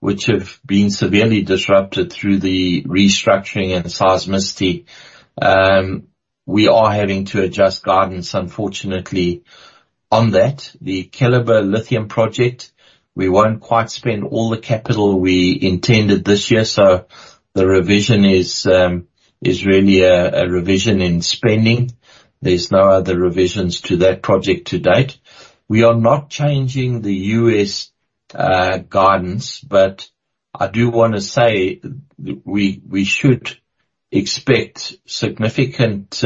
Speaker 1: which have been severely disrupted through the restructuring and seismicity, we are having to adjust guidance, unfortunately, on that. The Keliber lithium project, we won't quite spend all the capital we intended this year, so the revision is really a revision in spending. There's no other revisions to that project to date. We are not changing the U.S. guidance, but I do wanna say we should expect significant,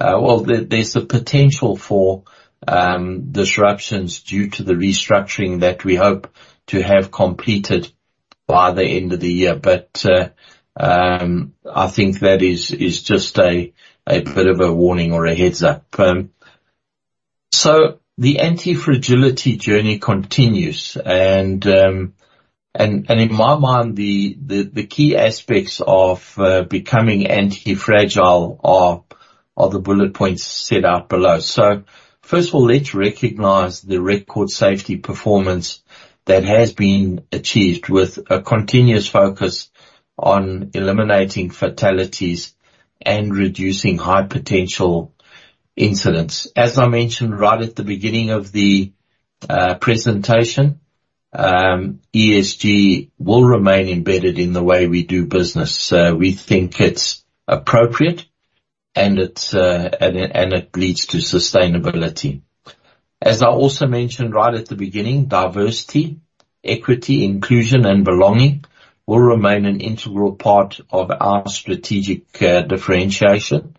Speaker 1: well, there's the potential for disruptions due to the restructuring that we hope to have completed by the end of the year. But I think that is just a bit of a warning or a heads-up. So the anti-fragility journey continues, and in my mind, the key aspects of becoming anti-fragile are the bullet points set out below. First of all, let's recognize the record safety performance that has been achieved with a continuous focus on eliminating fatalities and reducing high-potential incidents. As I mentioned right at the beginning of the presentation, ESG will remain embedded in the way we do business. We think it's appropriate, and it leads to sustainability. As I also mentioned right at the beginning, diversity, equity, inclusion, and belonging will remain an integral part of our strategic differentiation.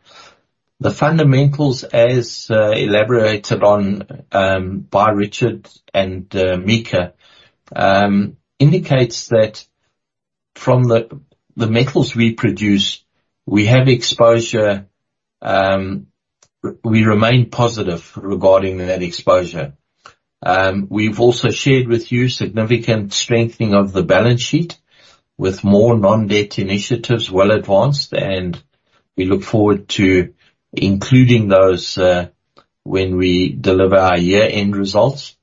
Speaker 1: The fundamentals, as elaborated on by Richard and Mika, indicates that from the metals we produce, we have exposure. We remain positive regarding that exposure. We've also shared with you significant strengthening of the balance sheet, with more non-debt initiatives well advanced, and we look forward to including those when we deliver our year-end results.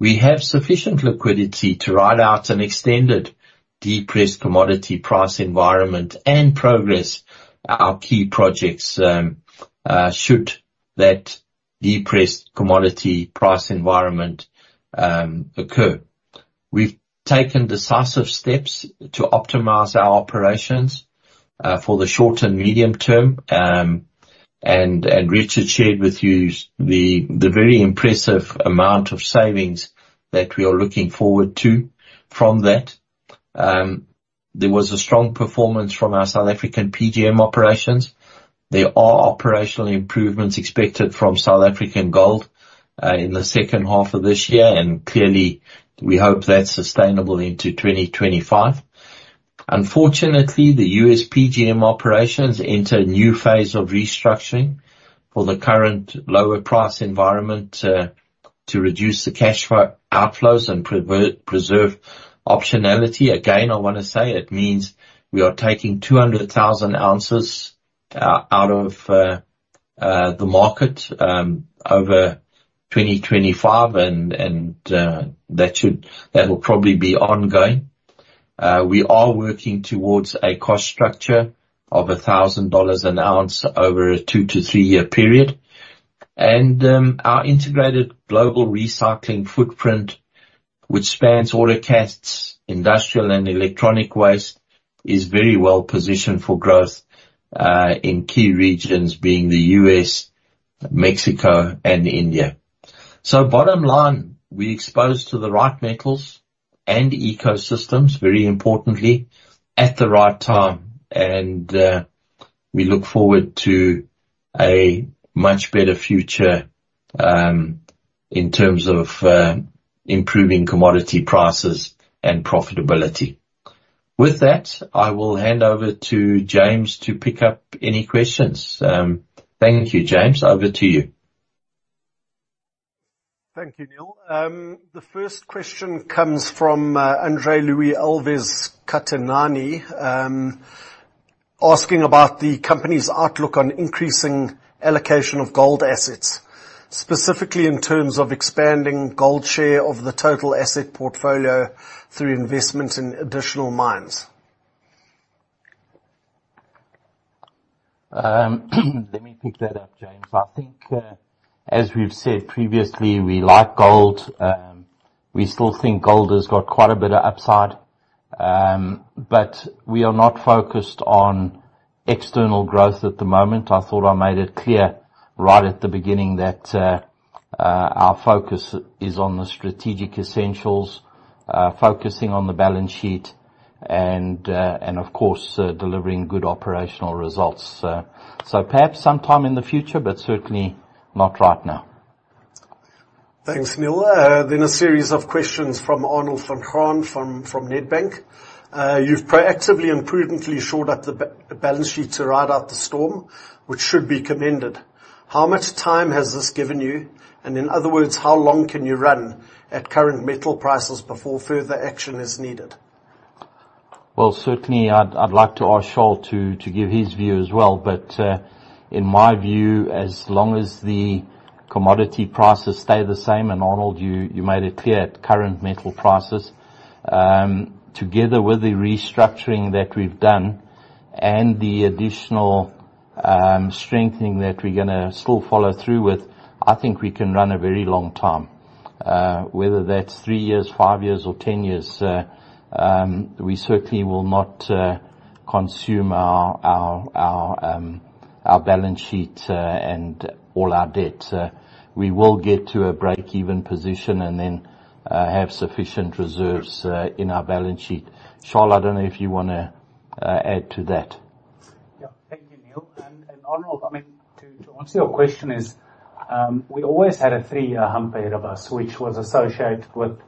Speaker 1: We have sufficient liquidity to ride out an extended depressed commodity price environment and progress our key projects should that depressed commodity price environment occur. We've taken decisive steps to optimize our operations for the short and medium term, and Richard shared with you the very impressive amount of savings that we are looking forward to from that. There was a strong performance from our South African PGM operations. There are operational improvements expected from South African gold in the second half of this year, and clearly, we hope that's sustainable into 2025. Unfortunately, the U.S. PGM operations enter a new phase of restructuring for the current lower price environment to reduce the cash for outflows and preserve optionality. Again, I want to say it means we are taking 200,000 oz out of the market over 2025, and that will probably be ongoing. We are working towards a cost structure of $1,000 an ounce over a two- to three-year period. Our integrated global recycling footprint, which spans autocats, industrial and electronic waste, is very well positioned for growth in key regions, being the U.S., Mexico, and India. So bottom line, we exposed to the right metals and ecosystems, very importantly, at the right time. And we look forward to a much better future, in terms of improving commodity prices and profitability. With that, I will hand over to James to pick up any questions. Thank you, James. Over to you.
Speaker 8: Thank you, Neal. The first question comes from Andre Luis Alves Catenani, asking about the company's outlook on increasing allocation of gold assets, specifically in terms of expanding gold share of the total asset portfolio through investment in additional mines.
Speaker 1: Let me pick that up, James. I think, as we've said previously, we like gold. We still think gold has got quite a bit of upside, but we are not focused on external growth at the moment. I thought I made it clear right at the beginning that our focus is on the strategic essentials, focusing on the balance sheet and, of course, delivering good operational results. So perhaps sometime in the future, but certainly not right now.
Speaker 8: Thanks, Neal. Then a series of questions from Arnold van Graan from Nedbank. You've proactively and prudently shored up the balance sheet to ride out the storm, which should be commended. How much time has this given you? And in other words, how long can you run at current metal prices before further action is needed?
Speaker 1: Certainly, I'd like to ask Charl to give his view as well. In my view, as long as the commodity prices stay the same, and Arnold, you made it clear, at current metal prices, together with the restructuring that we've done and the additional strengthening that we're gonna still follow through with, I think we can run a very long time. Whether that's three years, five years, or 10 years, we certainly will not consume our balance sheet and all our debts. We will get to a breakeven position and then have sufficient reserves in our balance sheet. Charl, I don't know if you wanna add to that.
Speaker 4: Yeah. Thank you, Neal. And Arnold, I mean, to answer your question is, we always had a three-year hump ahead of us, which was associated with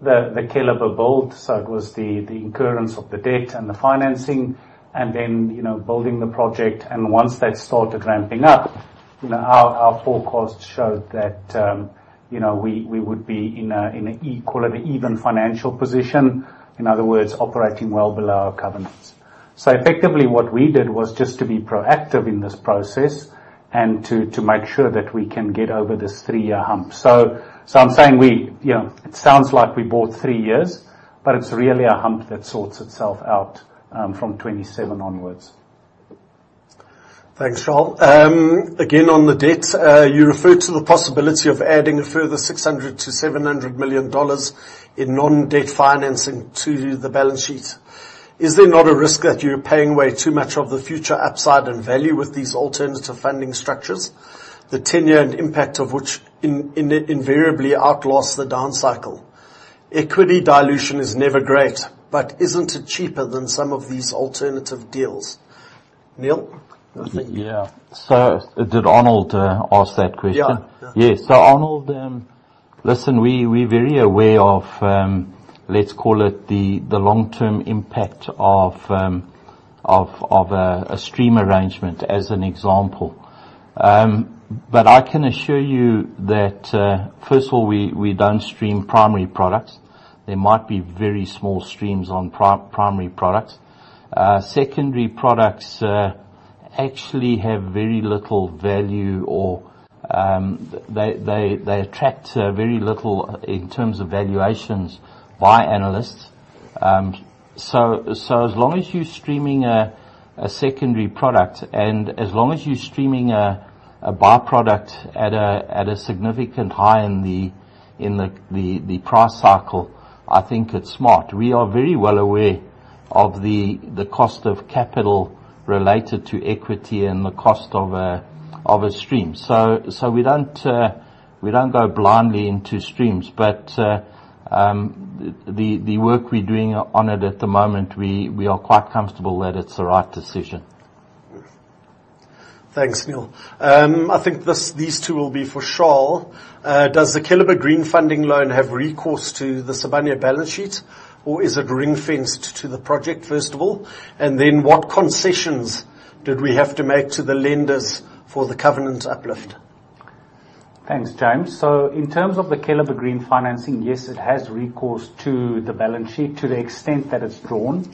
Speaker 4: the Keliber. So it was the incurrence of the debt and the financing, and then, you know, building the project. And once that started ramping up, you know, our forecast showed that, you know, we would be in a equal or an even financial position. In other words, operating well below our covenants. So effectively, what we did was just to be proactive in this process and to make sure that we can get over this three-year hump. So I'm saying we, you know, it sounds like we bought three years, but it's really a hump that sorts itself out from 2027 onwards.
Speaker 8: Thanks, Charl. Again, on the debt, you referred to the possibility of adding a further $600 million-$700 million in non-debt financing to the balance sheet. Is there not a risk that you're paying way too much of the future upside and value with these alternative funding structures, the tenure and impact of which invariably outlasts the downcycle? Equity dilution is never great, but isn't it cheaper than some of these alternative deals? Neal?
Speaker 1: Yeah. So did Arnold ask that question?
Speaker 8: Yeah.
Speaker 1: Yes. So Arnold, listen, we, we're very aware of, let's call it the long-term impact of a stream arrangement, as an example. But I can assure you that first of all, we don't stream primary products. There might be very small streams on primary products. Secondary products actually have very little value, or they attract very little in terms of valuations by analysts. So as long as you're streaming a secondary product, and as long as you're streaming a by-product at a significant high in the price cycle, I think it's smart. We are very well aware of the cost of capital related to equity and the cost of a stream. So we don't go blindly into streams. The work we're doing on it at the moment, we are quite comfortable that it's the right decision.
Speaker 8: Thanks, Neal. I think this, these two will be for Charl. Does the Keliber green funding loan have recourse to the Sibanye balance sheet, or is it ring-fenced to the project, first of all? And then, what concessions did we have to make to the lenders for the covenant uplift?
Speaker 4: Thanks, James. In terms of the Keliber green financing, yes, it has recourse to the balance sheet, to the extent that it's drawn.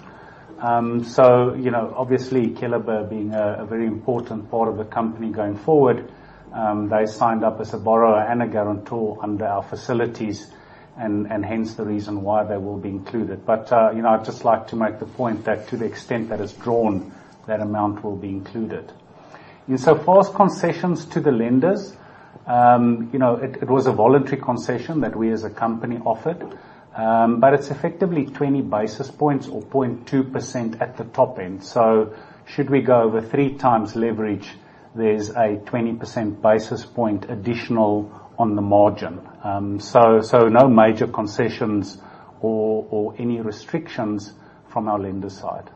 Speaker 4: You know, obviously, Keliber being a very important part of the company going forward, they signed up as a borrower and a guarantor under our facilities, and hence the reason why they will be included, but you know, I'd just like to make the point that to the extent that it's drawn, that amount will be included. Insofar as concessions to the lenders, you know, it was a voluntary concession that we as a company offered, but it's effectively 20 basis points or 0.2% at the top end. Should we go over 3x leverage, there's a 20% basis point additional on the margin. So, no major concessions or any restrictions from our lender side.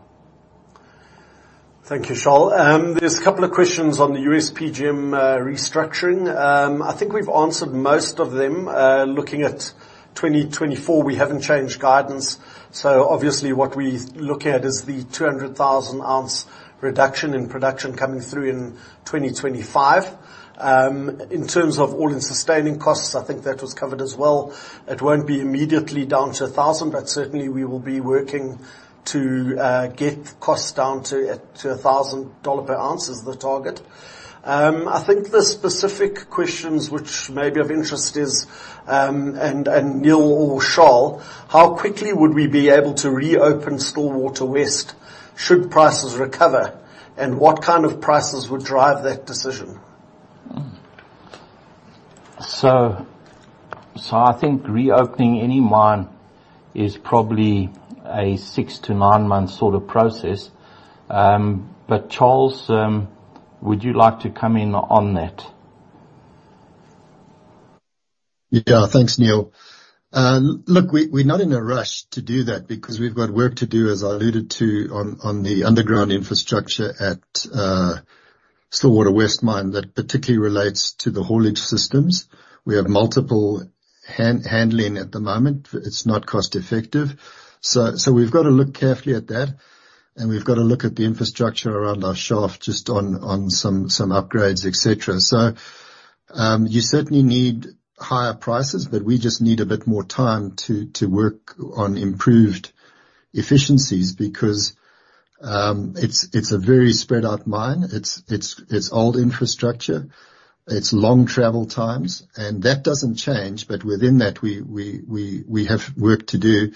Speaker 8: Thank you, Charl. There's a couple of questions on the U.S. PGM restructuring. I think we've answered most of them. Looking at 2024, we haven't changed guidance, so obviously what we look at is the 200,000 oz reduction in production coming through in 2025. In terms of all-in sustaining costs, I think that was covered as well. It won't be immediately down to $1,000, but certainly we will be working to get costs down to $1,000 per ounce, is the target. I think the specific questions which may be of interest is, and Neal or Charl, how quickly would we be able to reopen Stillwater West, should prices recover? And what kind of prices would drive that decision?
Speaker 1: So I think reopening any mine is probably a six-to-nine-month sort of process. But Charles, would you like to come in on that?
Speaker 6: Yeah. Thanks, Neal. Look, we're not in a rush to do that, because we've got work to do, as I alluded to, on the underground infrastructure at Stillwater West mine, that particularly relates to the haulage systems. We have multiple handling at the moment. It's not cost effective. So we've got to look carefully at that, and we've got to look at the infrastructure around our shaft, just on some upgrades, et cetera. So you certainly need higher prices, but we just need a bit more time to work on improved efficiencies, because it's a very spread-out mine. It's old infrastructure. It's long travel times, and that doesn't change, but within that we have work to do.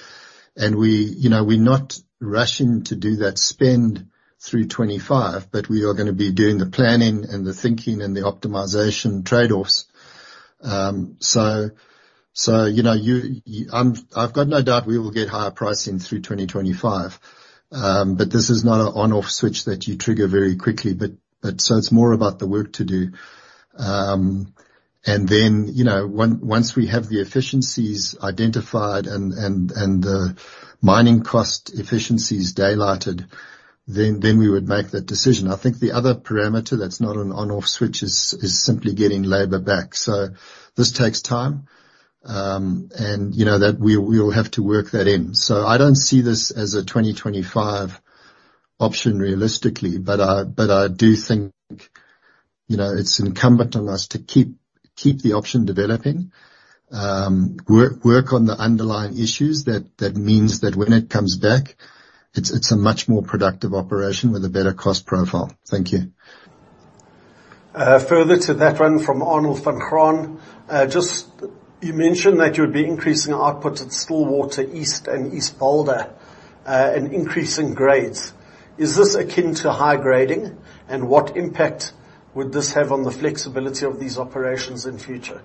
Speaker 6: And we, you know, we're not rushing to do that spend through 2025, but we are gonna be doing the planning and the thinking and the optimization trade-offs. So, you know, I've got no doubt we will get higher pricing through 2025. But this is not an on/off switch that you trigger very quickly. But so it's more about the work to do. And then, you know, once we have the efficiencies identified and the mining cost efficiencies daylighted, then we would make that decision. I think the other parameter that's not an on/off switch is simply getting labor back. So this takes time. And you know that we, we'll have to work that in. I don't see this as a 2025 option realistically, but I do think, you know, it's incumbent on us to keep the option developing. Work on the underlying issues. That means that when it comes back, it's a much more productive operation with a better cost profile. Thank you.
Speaker 8: Further to that one from Arnold van Graan, just, you mentioned that you'd be increasing output at Stillwater East and East Boulder, and increasing grades. Is this akin to high grading? And what impact would this have on the flexibility of these operations in future?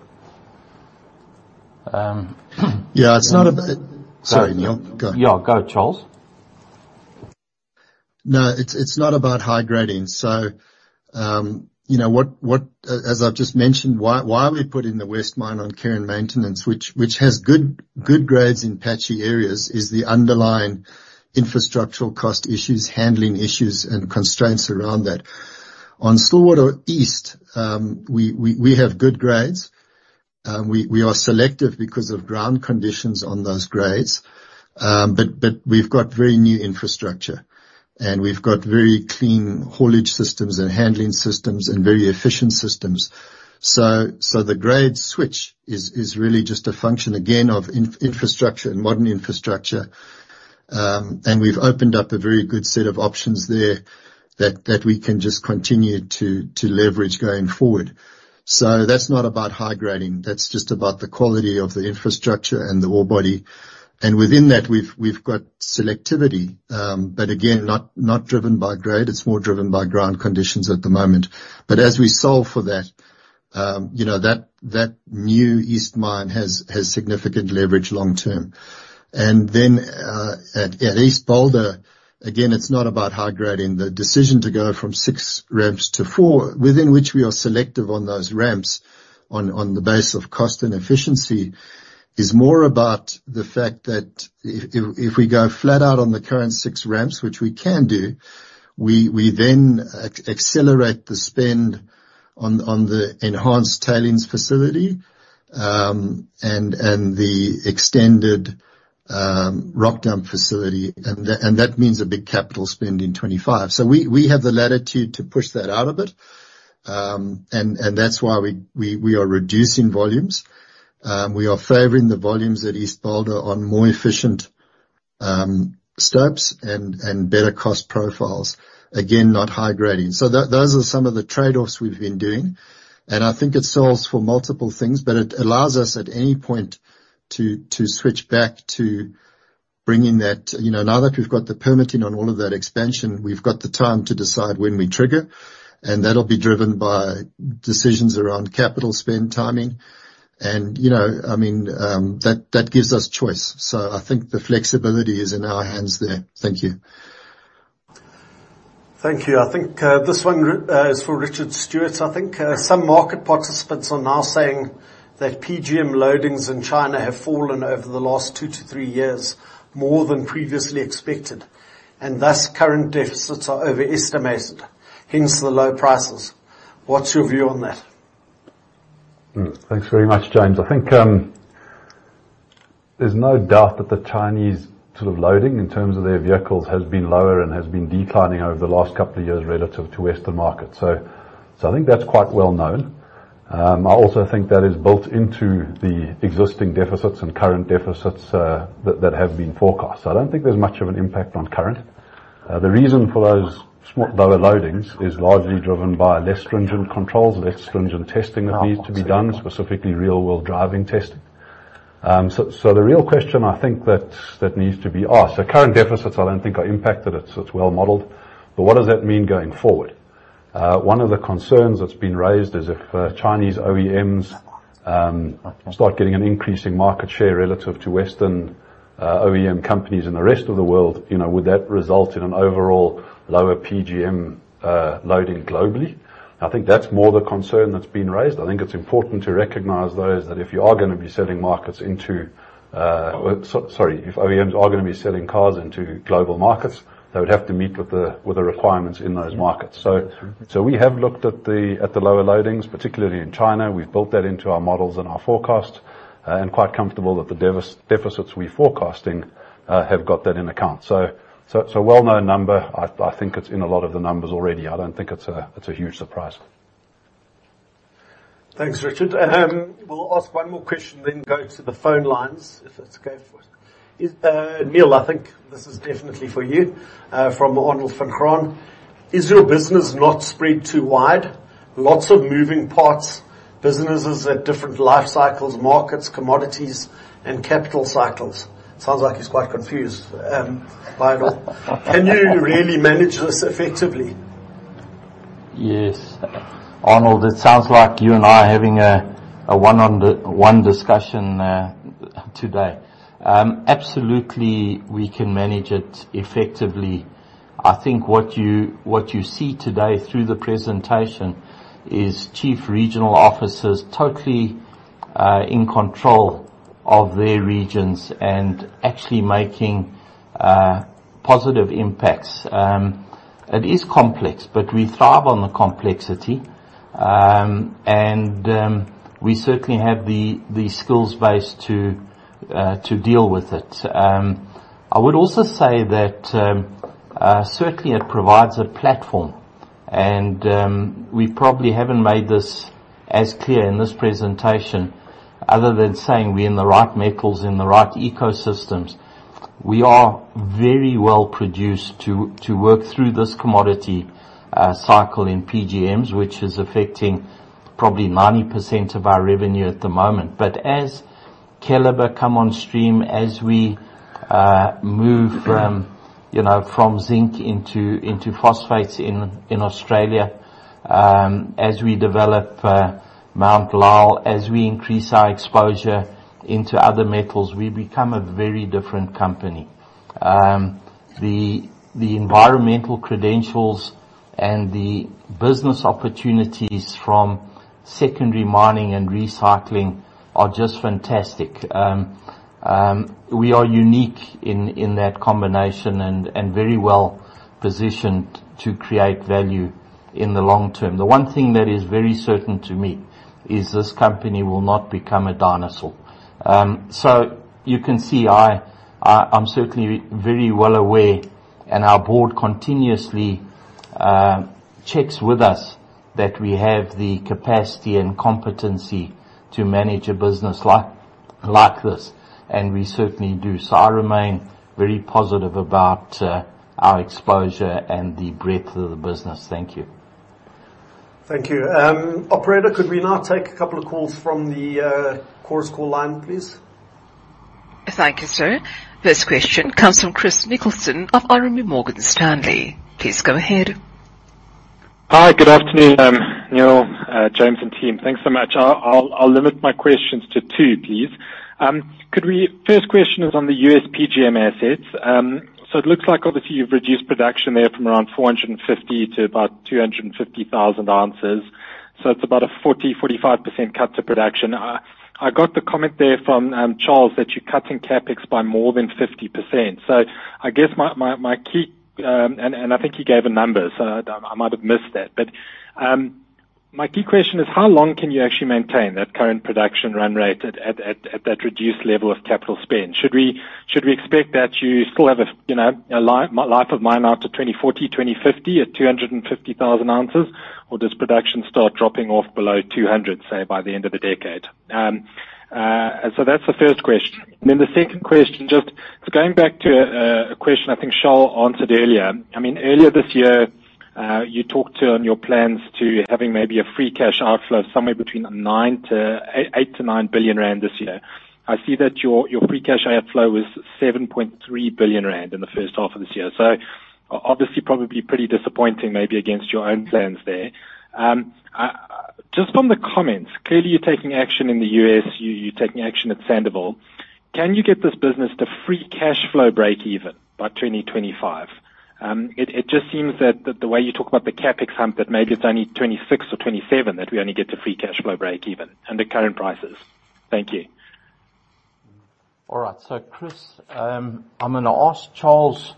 Speaker 6: Yeah, it's not about- Sorry, Neal, go.
Speaker 1: Yeah, go, Charles.
Speaker 6: No, it's not about high grading. So, you know, as I've just mentioned, why are we putting the West mine on care and maintenance, which has good grades in patchy areas, is the underlying infrastructural cost issues, handling issues, and constraints around that. On Stillwater East, we have good grades. We are selective because of ground conditions on those grades. But we've got very new infrastructure, and we've got very clean haulage systems and handling systems, and very efficient systems. So the grade switch is really just a function, again, of infrastructure and modern infrastructure. And we've opened up a very good set of options there that we can just continue to leverage going forward. That's not about high grading, that's just about the quality of the infrastructure and the ore body. Within that, we've got selectivity, but again, not driven by grade, it's more driven by ground conditions at the moment. As we solve for that, you know, that new East mine has significant leverage long-term. At East Boulder, again, it's not about high grading. The decision to go from six ramps to four, within which we are selective on those ramps, on the basis of cost and efficiency, is more about the fact that if we go flat out on the current six ramps, which we can do, we then accelerate the spend on the enhanced tailings facility, and the extended rock dump facility. And that means a big capital spend in 2025. So we have the latitude to push that out a bit. And that's why we are reducing volumes. We are favoring the volumes at East Boulder on more efficient stopes and better cost profiles. Again, not high grading. So those are some of the trade-offs we've been doing, and I think it solves for multiple things. But it allows us, at any point, to switch back to bringing that, you know, now that we've got the permitting on all of that expansion, we've got the time to decide when we trigger, and that'll be driven by decisions around capital spend timing. And, you know, I mean, that gives us choice. So I think the flexibility is in our hands there. Thank you.
Speaker 8: Thank you. I think, this one is for Richard Stewart. I think, some market participants are now saying that PGM loadings in China have fallen over the last two to three years, more than previously expected, and thus current deficits are overestimated, hence the low prices. What's your view on that?
Speaker 2: Thanks very much, James. I think there's no doubt that the Chinese sort of loading, in terms of their vehicles, has been lower and has been declining over the last couple of years relative to Western markets. So I think that's quite well known. I also think that is built into the existing deficits and current deficits that have been forecast. I don't think there's much of an impact on current. The reason for those lower loadings is largely driven by less stringent controls, less stringent testing that needs to be done, specifically real-world driving testing. So the real question I think that needs to be asked. The current deficits, I don't think are impacted. It's well-modeled. But what does that mean going forward? One of the concerns that's been raised is if Chinese OEMs start getting an increasing market share relative to Western OEM companies in the rest of the world, you know, would that result in an overall lower PGM loading globally? I think that's more the concern that's been raised. I think it's important to recognize, though, is that if you are gonna be selling markets into, sorry, if OEMs are gonna be selling cars into global markets, they would have to meet with the requirements in those markets. So we have looked at the lower loadings, particularly in China. We've built that into our models and our forecast, and quite comfortable that the deficits we're forecasting have got that in account. So it's a well-known number. I think it's in a lot of the numbers already. I don't think it's a huge surprise.
Speaker 8: Thanks, Richard. We'll ask one more question, then go to the phone lines, if that's okay. Neal, I think this is definitely for you. From Arnold van Graan. Is your business not spread too wide? Lots of moving parts, businesses at different life cycles, markets, commodities, and capital cycles. Sounds like he's quite confused. Can you really manage this effectively?
Speaker 1: Yes. Arnold, it sounds like you and I are having a one-on-one discussion today. Absolutely, we can manage it effectively. I think what you see today through the presentation is chief regional officers totally in control of their regions and actually making positive impacts. It is complex, but we thrive on the complexity, and we certainly have the skills base to deal with it. I would also say that certainly it provides a platform, and we probably haven't made this as clear in this presentation, other than saying we're in the right metals, in the right ecosystems. We are very well produced to work through this commodity cycle in PGMs, which is affecting probably 90% of our revenue at the moment. But as Keliber comes on stream, as we move from, you know, from zinc into phosphates in Australia, as we develop Mt Lyell, as we increase our exposure into other metals, we become a very different company. The environmental credentials and the business opportunities from secondary mining and recycling are just fantastic. We are unique in that combination and very well-positioned to create value in the long term. The one thing that is very certain to me is this company will not become a dinosaur. So you can see I'm certainly very well aware, and our board continuously checks with us that we have the capacity and competency to manage a business like this, and we certainly do. So I remain very positive about our exposure and the breadth of the business. Thank you.
Speaker 8: Thank you. Operator, could we now take a couple of calls from the Chorus Call line, please?
Speaker 9: Thank you, sir. First question comes from Chris Nicholson of RMB Morgan Stanley. Please go ahead.
Speaker 10: Hi. Good afternoon, Neal, James, and team. Thanks so much. I'll limit my questions to two, please. First question is on the U.S. PGM assets. So it looks like obviously you've reduced production there from around 450,000 oz to about 250,000 oz, so it's about a 40%, 45% cut to production. I got the comment there from Charles that you're cutting CapEx by more than 50%. So I guess my key, and I think he gave a number, so I might have missed that. But my key question is, how long can you actually maintain that current production run rate at that reduced level of capital spend? Should we expect that you still have a, you know, a life of mine out to 2040, 2050, at 250,000 oz, or does production start dropping off below 200, say, by the end of the decade? So that's the first question. Then the second question, just going back to a question I think Charl answered earlier. I mean, earlier this year, you talked on your plans to having maybe a free cash outflow somewhere between 8 billion-9 billion rand this year. I see that your free cash outflow was 7.3 billion rand in the first half of this year, so obviously, probably pretty disappointing, maybe against your own plans there. Just from the comments, clearly you're taking action in the U.S., you're taking action at Sandouville. Can you get this business to free cash flow breakeven by 2025? It just seems that the way you talk about the CapEx hump, that maybe it's only 2026 or 2027 that we only get to free cash flow breakeven under current prices. Thank you.
Speaker 1: All right. So, Chris, I'm gonna ask Charles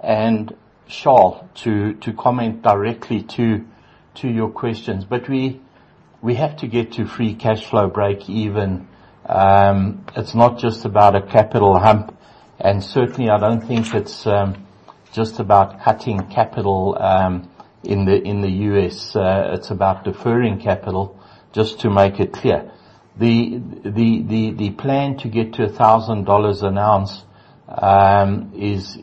Speaker 1: and Charl to comment directly to your questions. But we have to get to free cash flow breakeven. It's not just about a capital hump, and certainly I don't think it's just about cutting capital in the U.S. It's about deferring capital just to make it clear. The plan to get to $1,000 an ounce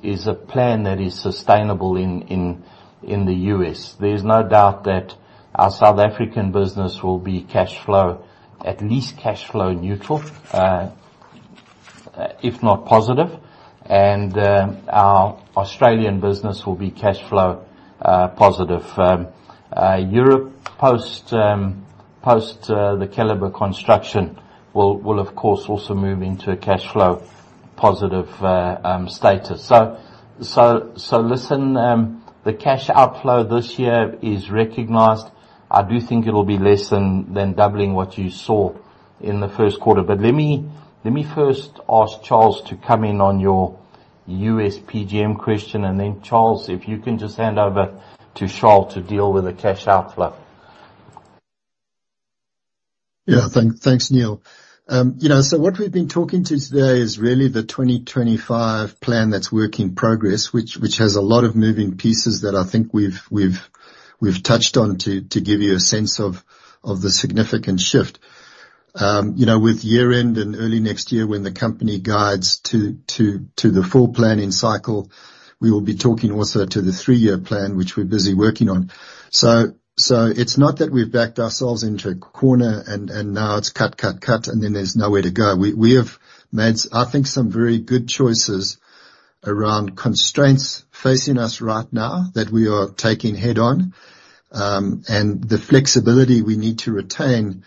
Speaker 1: is a plan that is sustainable in the U.S. There's no doubt that our South African business will be cash flow, at least cash flow neutral, if not positive, and our Australian business will be cash flow positive. Europe, post the Keliber construction, will of course also move into a cash flow positive status. So listen, the cash outflow this year is recognized. I do think it'll be less than doubling what you saw in the first quarter. But let me first ask Charles to come in on your U.S. PGM question, and then, Charles, if you can just hand over to Charl to deal with the cash outflow.
Speaker 6: Yeah. Thanks, Neal. You know, so what we've been talking to today is really the 2025 plan that's work in progress, which has a lot of moving pieces that I think we've touched on to give you a sense of the significant shift. You know, with year-end and early next year, when the company guides to the full planning cycle, we will be talking also to the three-year plan, which we're busy working on. So it's not that we've backed ourselves into a corner and now it's cut, cut, cut, and then there's nowhere to go. We have made, I think, some very good choices around constraints facing us right now, that we are taking head-on, and the flexibility we need to retain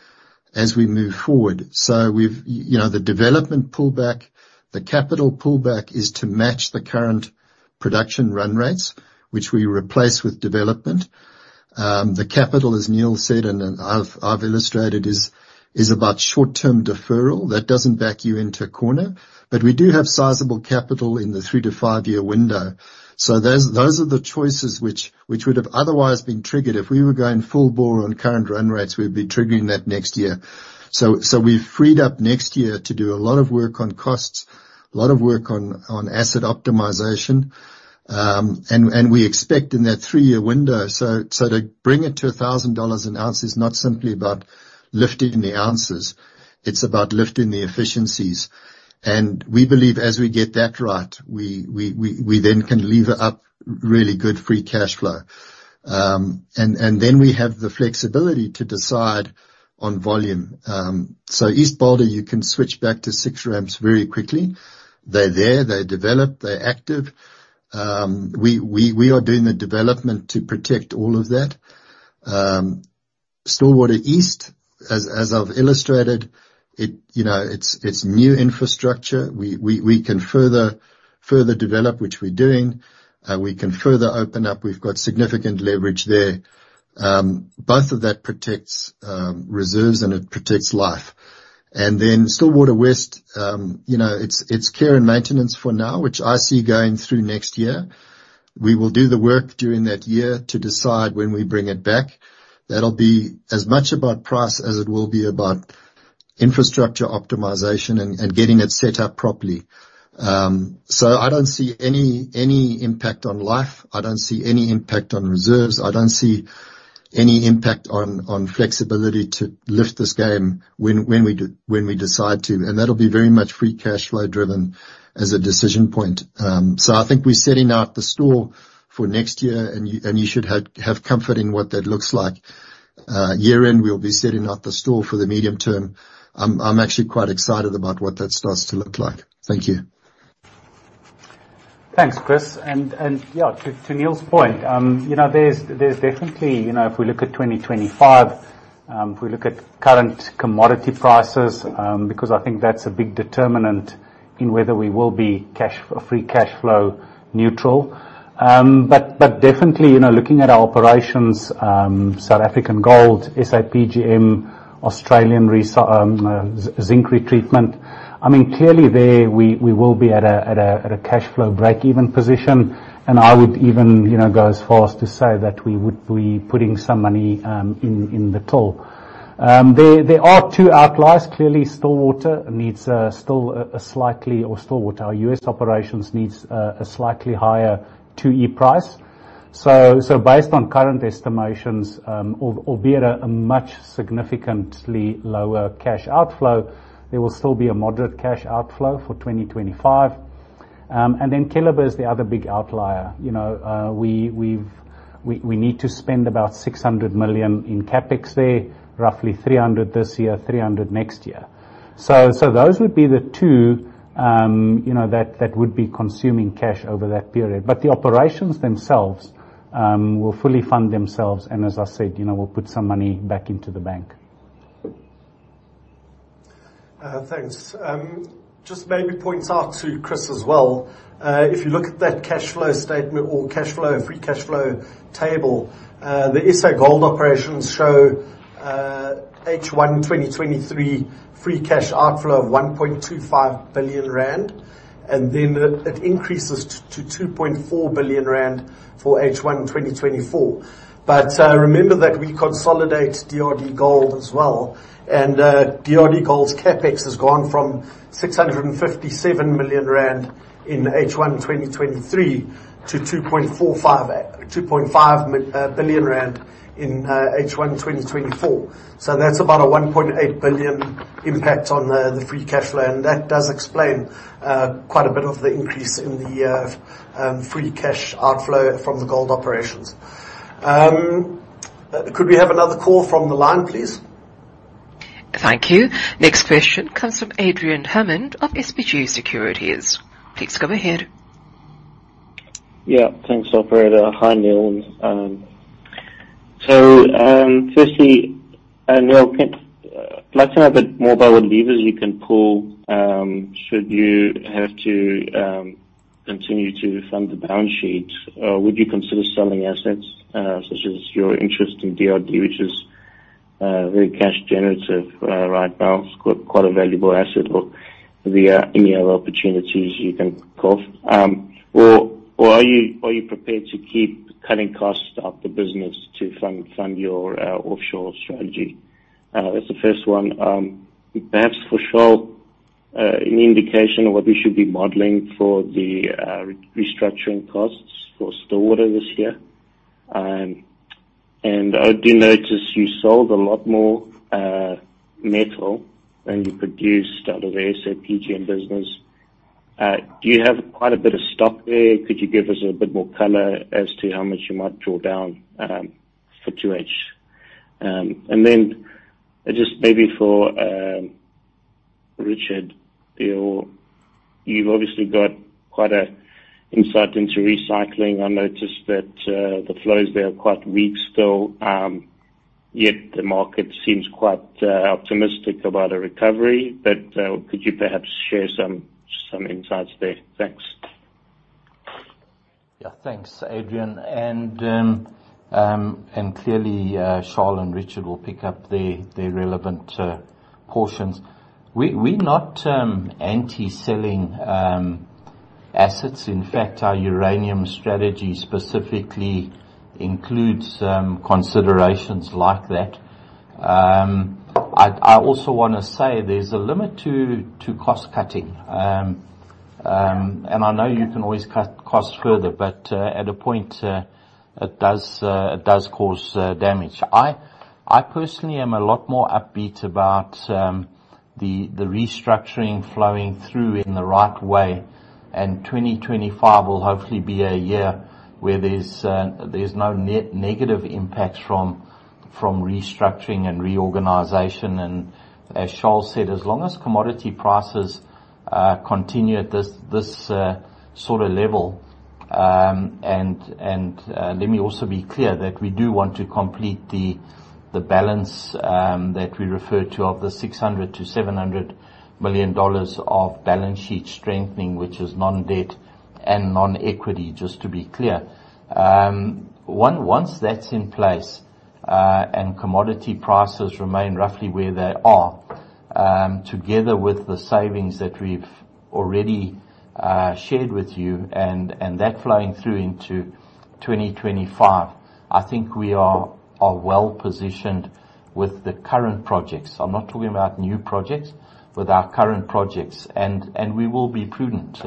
Speaker 6: as we move forward. So we've, you know, the development pullback, the capital pullback is to match the current production run rates, which we replace with development. The capital, as Neal said, and I've illustrated, is about short-term deferral. That doesn't back you into a corner. But we do have sizable capital in the three- to five-year window. So those are the choices which would have otherwise been triggered. If we were going full bore on current run rates, we'd be triggering that next year. So we've freed up next year to do a lot of work on costs, a lot of work on asset optimization. And we expect in that three-year window. So to bring it to $1,000 an ounce is not simply about lifting the ounces, it's about lifting the efficiencies. And we believe as we get that right, we then can lever up really good free cash flow. And then we have the flexibility to decide on volume. So East Boulder, you can switch back to six ramps very quickly. They're there, they're developed, they're active. We are doing the development to protect all of that. Stillwater East, as I've illustrated, you know, it's new infrastructure. We can further develop, which we're doing. We can further open up. We've got significant leverage there. Both of that protects reserves and it protects life. And then Stillwater West, you know, it's care and maintenance for now, which I see going through next year. We will do the work during that year to decide when we bring it back. That'll be as much about price as it will be about infrastructure optimization and getting it set up properly. So I don't see any impact on life. I don't see any impact on reserves. I don't see any impact on flexibility to lift this game when we decide to, and that'll be very much free cash flow driven as a decision point. So I think we're setting out the store for next year, and you should have comfort in what that looks like. Year-end, we'll be setting up the store for the medium term. I'm actually quite excited about what that starts to look like. Thank you.
Speaker 4: Thanks, Chris. And yeah, to Neal's point, you know, there's definitely, you know, if we look at 2025, if we look at current commodity prices, because I think that's a big determinant in whether we will be free cash flow neutral. But definitely, you know, looking at our operations, South African gold, SA PGM, Australian zinc retreatment, I mean, clearly there, we will be at a cashflow break-even position. And I would even, you know, go as far as to say that we would be putting some money in the till. There are two outliers. Clearly, Stillwater needs a slightly or Stillwater U.S. operations needs a slightly higher 2E price. Based on current estimations, albeit a much significantly lower cash outflow, there will still be a moderate cash outflow for 2025. And then Keliber is the other big outlier. You know, we need to spend about 600 million in CapEx there, roughly 300 this year, 300 next year. So those would be the two, you know, that would be consuming cash over that period. But the operations themselves will fully fund themselves, and as I said, you know, we'll put some money back into the bank.
Speaker 8: Thanks. Just maybe point out to Chris as well, if you look at that cash flow statement or cash flow, free cash flow table, the SA gold operations show H1 2023 free cash outflow of 1.25 billion rand, and then it increases to 2.4 billion rand for H1 2024. But remember that we consolidate DRDGOLD as well, and DRDGOLD's CapEx has gone from 657 million rand in H1 2023 to 2.5 billion rand in H1 2024. So that's about a 1.8 billion impact on the free cash flow, and that does explain quite a bit of the increase in the free cash outflow from the gold operations. Could we have another call from the line, please?
Speaker 9: Thank you. Next question comes from Adrian Hammond of SBG Securities. Please go ahead.
Speaker 11: Yeah, thanks, operator. Hi, Neal. So, firstly, Neal, I'd like to know a bit more about what levers you can pull should you have to continue to fund the balance sheet. Would you consider selling assets, such as your interest in DRD, which is, very cash generative, right now, it's quite a valuable asset or via any other opportunities you can think of? Or are you prepared to keep cutting costs of the business to fund your offshore strategy? That's the first one. Perhaps for Charl, any indication of what we should be modeling for the restructuring costs for Stillwater this year? And I do notice you sold a lot more metal than you produced out of the SA PGM business. Do you have quite a bit of stock there? Could you give us a bit more color as to how much you might draw down for 2H? And then just maybe for Richard, you've obviously got quite a insight into recycling. I noticed that the flows there are quite weak still, yet the market seems quite optimistic about a recovery. But could you perhaps share some insights there? Thanks.
Speaker 1: Yeah, thanks, Adrian. And then, and clearly, Charl and Richard will pick up the relevant portions. We're not anti-selling assets. In fact, our uranium strategy specifically includes considerations like that. I also wanna say there's a limit to cost cutting. And I know you can always cut costs further, but at a point, it does cause damage. I personally am a lot more upbeat about the restructuring flowing through in the right way, and 2025 will hopefully be a year where there's no net negative impacts from restructuring and reorganization. As Charl said, as long as commodity prices continue at this sort of level, and let me also be clear that we do want to complete the balance that we refer to of the $600 million-$700 million of balance sheet strengthening, which is non-debt and non-equity, just to be clear. Once that's in place, and commodity prices remain roughly where they are together with the savings that we've already shared with you, and that flowing through into 2025, I think we are well positioned with the current projects. I'm not talking about new projects, with our current projects, and we will be prudent.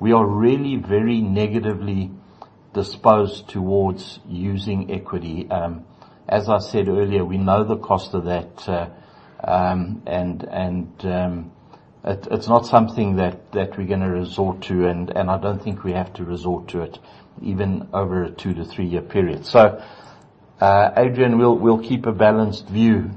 Speaker 1: We are really very negatively disposed towards using equity. As I said earlier, we know the cost of that, and it's not something that we're gonna resort to, and I don't think we have to resort to it even over a two- to three-year period. So, Adrian, we'll keep a balanced view.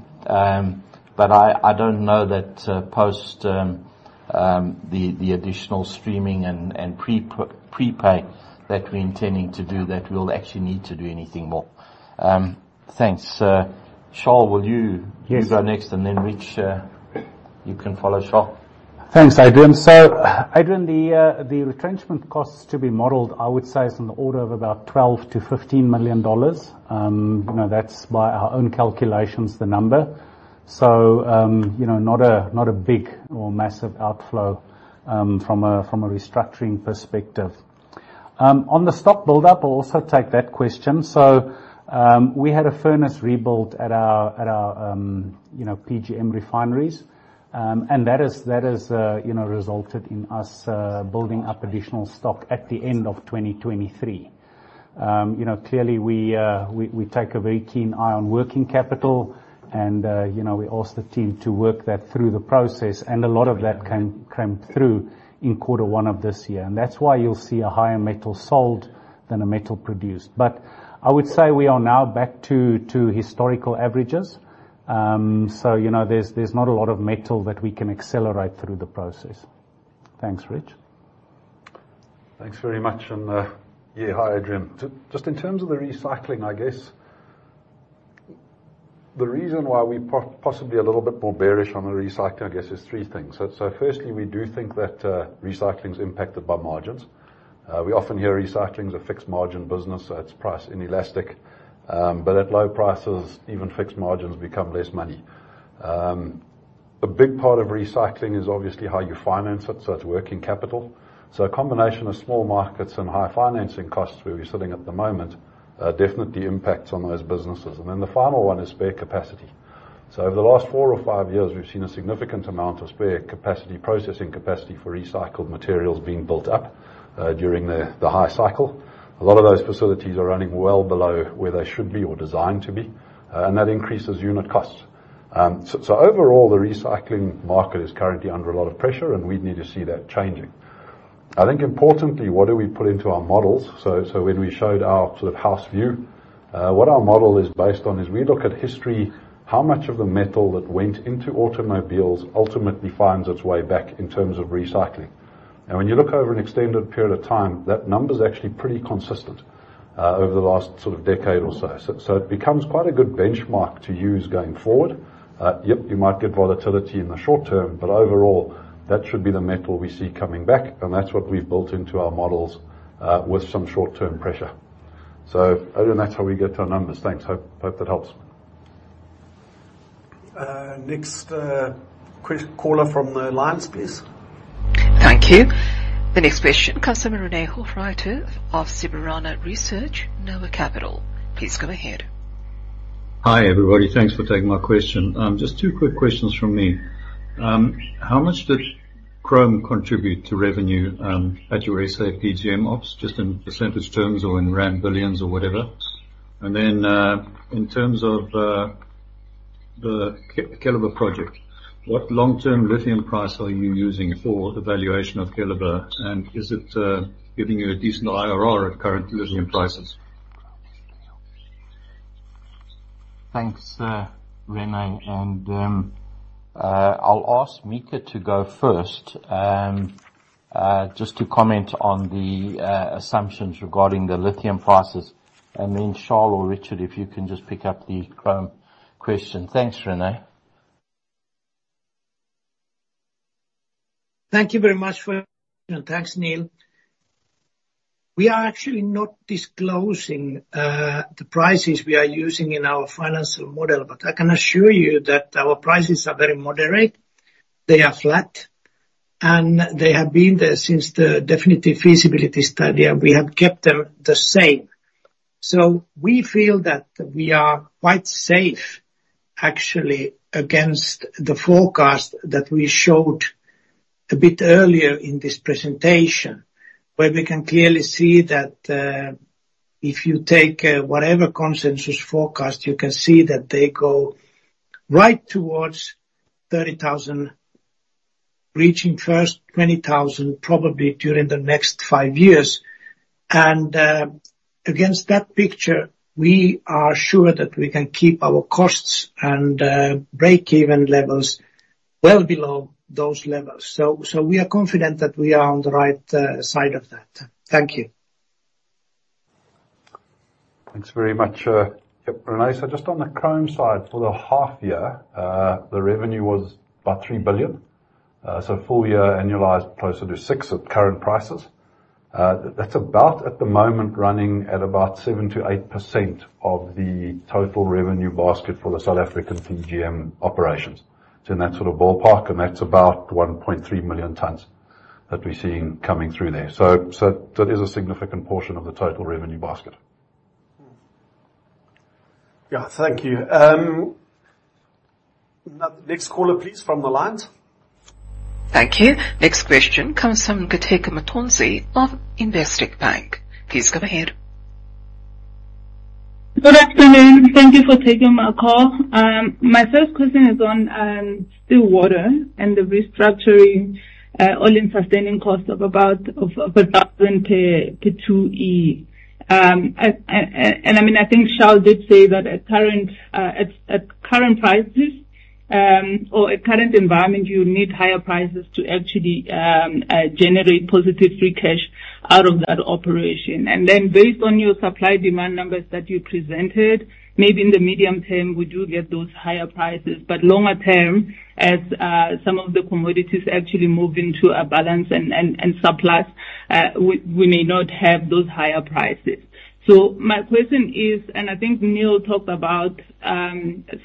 Speaker 1: But I don't know that, post, the additional streaming and prepay that we're intending to do, that we'll actually need to do anything more. Thanks. Charl, will you go next, and then, Rich, you can follow Charl.
Speaker 4: Thanks, Adrian. So Adrian, the retrenchment costs to be modeled, I would say, is on the order of about $12 million-$15 million. You know, that's by our own calculations, the number. So, you know, not a big or massive outflow from a restructuring perspective. On the stock buildup, I'll also take that question. So, we had a furnace rebuild at our PGM refineries. And that has resulted in us building up additional stock at the end of 2023. You know, clearly, we take a very keen eye on working capital, and you know, we ask the team to work that through the process, and a lot of that came through in quarter one of this year. That's why you'll see a higher metal sold than a metal produced. I would say we are now back to historical averages. So, you know, there's not a lot of metal that we can accelerate through the process. Thanks. Rich?
Speaker 2: Thanks very much, and, yeah, hi, Adrian. Just in terms of the recycling, I guess, the reason why we're possibly a little bit more bearish on the recycling, I guess, is three things. So, firstly, we do think that recycling is impacted by margins. We often hear recycling is a fixed-margin business, so it's price inelastic. But at low prices, even fixed margins become less money. A big part of recycling is obviously how you finance it, so it's working capital. So a combination of small markets and high financing costs, where we're sitting at the moment, definitely impacts on those businesses. And then the final one is spare capacity. So over the last four or five years, we've seen a significant amount of spare capacity, processing capacity for recycled materials being built up, during the high cycle. A lot of those facilities are running well below where they should be or designed to be, and that increases unit costs. So overall, the recycling market is currently under a lot of pressure, and we'd need to see that changing. I think importantly, what do we put into our models? So when we showed our sort of house view, what our model is based on is we look at history, how much of the metal that went into automobiles ultimately finds its way back in terms of recycling. And when you look over an extended period of time, that number is actually pretty consistent, over the last sort of decade or so. So it becomes quite a good benchmark to use going forward. Yep, you might get volatility in the short term, but overall, that should be the metal we see coming back, and that's what we've built into our models, with some short-term pressure. So I think that's how we get to our numbers. Thanks. Hope that helps.
Speaker 8: Next caller from the lines, please.
Speaker 9: Thank you. The next question from René Hochreiter of Sieberana Research, Noah Capital Markets. Please go ahead.
Speaker 12: Hi, everybody. Thanks for taking my question. Just two quick questions from me. How much does chrome contribute to revenue at your SA PGM ops, just in percentage terms or in rand billions or whatever? And then, in terms of the Keliber project, what long-term lithium price are you using for the valuation of Keliber, and is it giving you a decent IRR at current lithium prices?
Speaker 1: Thanks, René, and I'll ask Mika to go first, just to comment on the assumptions regarding the lithium prices. And then, Charl or Richard, if you can just pick up the chrome question. Thanks, René.
Speaker 3: Thank you very much for, thanks, Neal. We are actually not disclosing the prices we are using in our financial model, but I can assure you that our prices are very moderate, they are flat, and they have been there since the definitive feasibility study, and we have kept them the same. So we feel that we are quite safe, actually, against the forecast that we showed a bit earlier in this presentation, where we can clearly see that, if you take, whatever consensus forecast, you can see that they go right towards 30,000, reaching first 20,000, probably during the next five years. And, against that picture, we are sure that we can keep our costs and break-even levels well below those levels. So we are confident that we are on the right side of that. Thank you.
Speaker 2: Thanks very much, yep, René. So just on the chrome side, for the half year, the revenue was about 3 billion. So full-year annualized closer to 6 billion at current prices. That's about, at the moment, running at about 7%-8% of the total revenue basket for the South African PGM operations. It's in that sort of ballpark, and that's about 1.3 million tons that we're seeing coming through there. So that is a significant portion of the total revenue basket.
Speaker 8: Yeah, thank you. Next caller, please, from the lines.
Speaker 9: Thank you. Next question comes from Nkateko Mathonsi of Investec Bank. Please go ahead.
Speaker 13: Good afternoon. Thank you for taking my call. My first question is on Stillwater and the restructuring, all-in sustaining costs of about to 2E. And I mean, I think Charl did say that at current prices, or at current environment, you need higher prices to actually generate positive free cash out of that operation. And then based on your supply-demand numbers that you presented, maybe in the medium term, we do get those higher prices. But longer term, as some of the commodities actually move into a balance and surplus, we may not have those higher prices. So my question is, and I think Neal talked about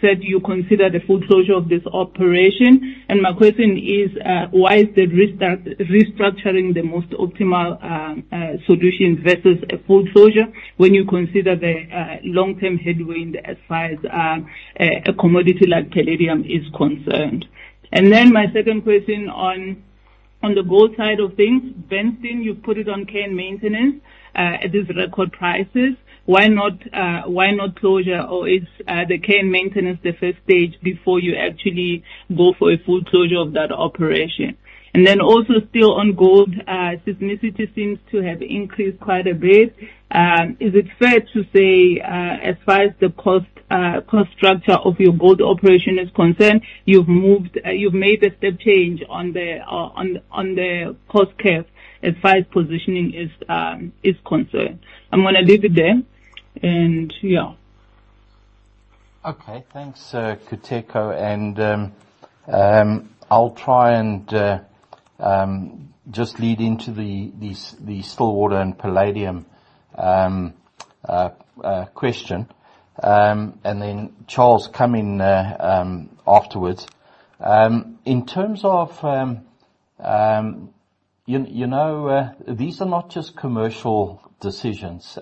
Speaker 13: said you consider the full closure of this operation. My question is, why is the restructuring the most optimal solution versus a full closure when you consider the long-term headwind as far as a commodity like palladium is concerned? Then my second question on the gold side of things, Burnstone, you put it on care and maintenance. At this record prices, why not closure? Or is the care and maintenance the first stage before you actually go for a full closure of that operation? Then also still on gold, seismicity seems to have increased quite a bit. Is it fair to say, as far as the cost structure of your gold operation is concerned, you've made a step change on the cost curve as far as positioning is concerned? I'm gonna leave it there, and yeah.
Speaker 1: Okay. Thanks, Nkateko, and, I'll try and just lead into the Stillwater and palladium, question, and then Charles come in, afterwards. In terms of, you know, these are not just commercial decisions.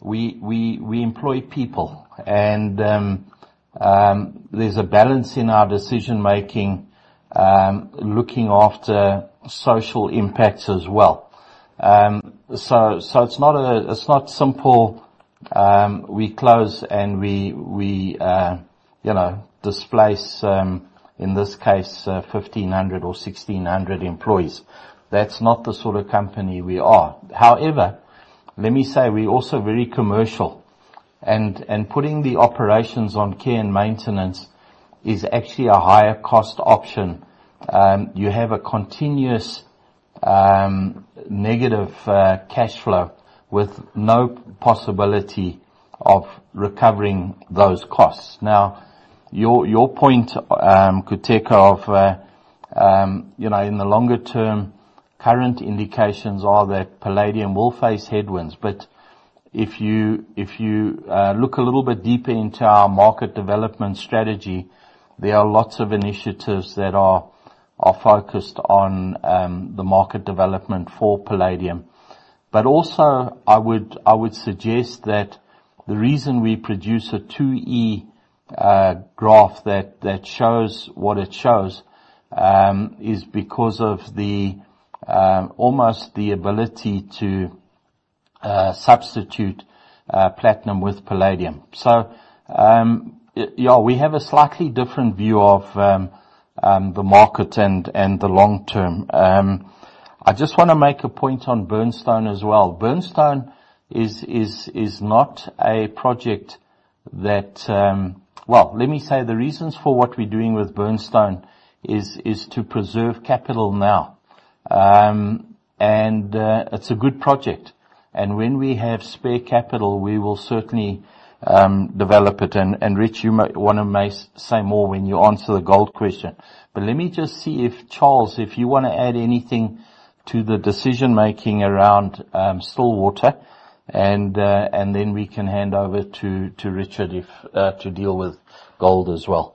Speaker 1: We employ people, and there's a balance in our decision-making, looking after social impacts as well. So, it's not simple, we close, and we, you know, displace, in this case, 1,500 or 1,600 employees. That's not the sort of company we are. However, let me say, we're also very commercial, and putting the operations on care and maintenance is actually a higher cost option. You have a continuous negative cash flow with no possibility of recovering those costs. Now, your point, Nkateko, of you know, in the longer term, current indications are that palladium will face headwinds. But if you look a little bit deeper into our market development strategy, there are lots of initiatives that are focused on the market development for palladium. But also, I would suggest that the reason we produce a 2E graph that shows what it shows is because of the almost the ability to substitute platinum with palladium. So, yeah, we have a slightly different view of the market and the long term. I just wanna make a point on Burnstone as well. Burnstone is not a project that. Well, let me say the reasons for what we're doing with Burnstone is to preserve capital now. And it's a good project, and when we have spare capital, we will certainly develop it. And Rich, you may wanna say more when you answer the gold question. But let me just see if Charles, if you wanna add anything to the decision-making around Stillwater, and then we can hand over to Richard to deal with gold as well.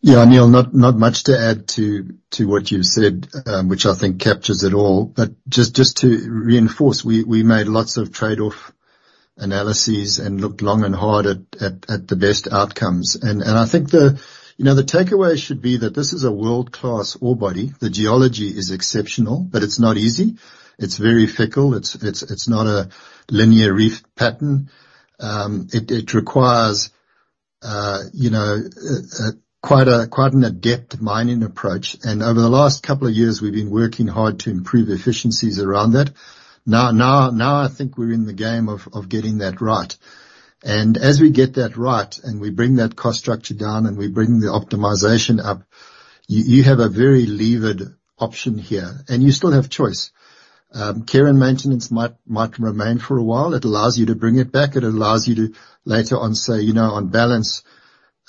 Speaker 6: Yeah, Neal, not much to add to what you've said, which I think captures it all. But just to reinforce, we made lots of trade-off analyses and looked long and hard at the best outcomes. And I think the, you know, the takeaway should be that this is a world-class ore body. The geology is exceptional, but it's not easy. It's very fickle. It's not a linear reef pattern. It requires, you know, quite an adept mining approach. And over the last couple of years, we've been working hard to improve efficiencies around that. Now I think we're in the game of getting that right. And as we get that right, and we bring that cost structure down, and we bring the optimization up, you have a very levered option here, and you still have choice. Care and maintenance might remain for a while. It allows you to bring it back. It allows you to later on say, you know, on balance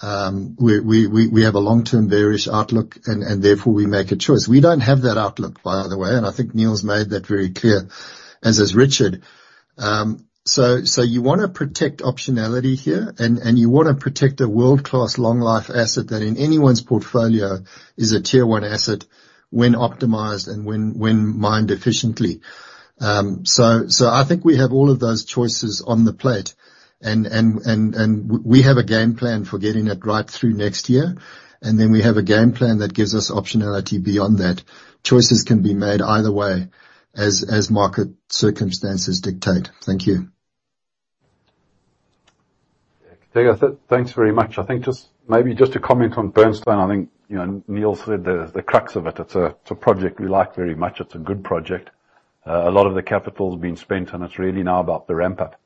Speaker 6: we have a long-term bearish outlook, and therefore, we make a choice. We don't have that outlook, by the way, and I think Neal's made that very clear, as has Richard. So you wanna protect optionality here, and you wanna protect a world-class long life asset that in anyone's portfolio is a tier one asset when optimized and when mined efficiently. So I think we have all of those choices on the plate, and we have a game plan for getting it right through next year, and then we have a game plan that gives us optionality beyond that. Choices can be made either way as market circumstances dictate. Thank you.
Speaker 2: Yeah, I think that's it. Thanks very much. I think just maybe just a comment on Burnstone. I think, you know, Neal said the crux of it. It's a project we like very much. It's a good project. A lot of the capital's been spent, and it's really now about the ramp up.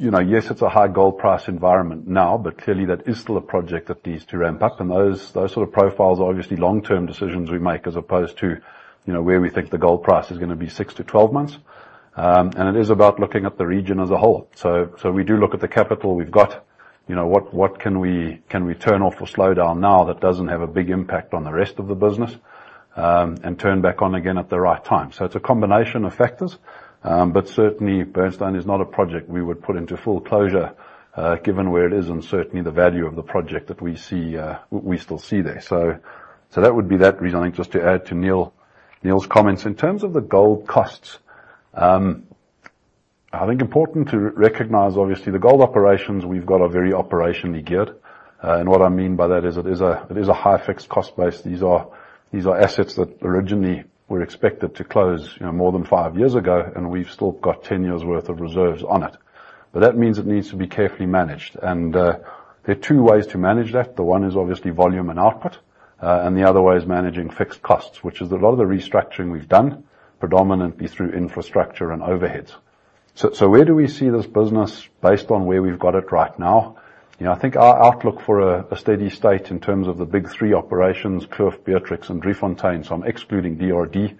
Speaker 2: You know, yes, it's a high gold price environment now, but clearly that is still a project that needs to ramp up, and those sort of profiles are obviously long-term decisions we make, as opposed to, you know, where we think the gold price is gonna be six to 12 months. And it is about looking at the region as a whole. So we do look at the capital we've got. You know, what can we turn off or slow down now that doesn't have a big impact on the rest of the business, and turn back on again at the right time. So it's a combination of factors, but certainly Burnstone is not a project we would put into full closure, given where it is and certainly the value of the project that we still see there. So that would be that reasoning, just to add to Neal's comments. In terms of the gold costs, I think important to recognize, obviously, the gold operations we've got are very operationally geared. And what I mean by that is, it is a high fixed cost base. These are assets that originally were expected to close, you know, more than five years ago, and we've still got 10 years worth of reserves on it. But that means it needs to be carefully managed, and there are two ways to manage that. The one is obviously volume and output, and the other way is managing fixed costs, which is a lot of the restructuring we've done, predominantly through infrastructure and overheads. So where do we see this business based on where we've got it right now? You know, I think our outlook for a steady state in terms of the big three operations, Kloof, Beatrix, and Driefontein, so I'm excluding DRD,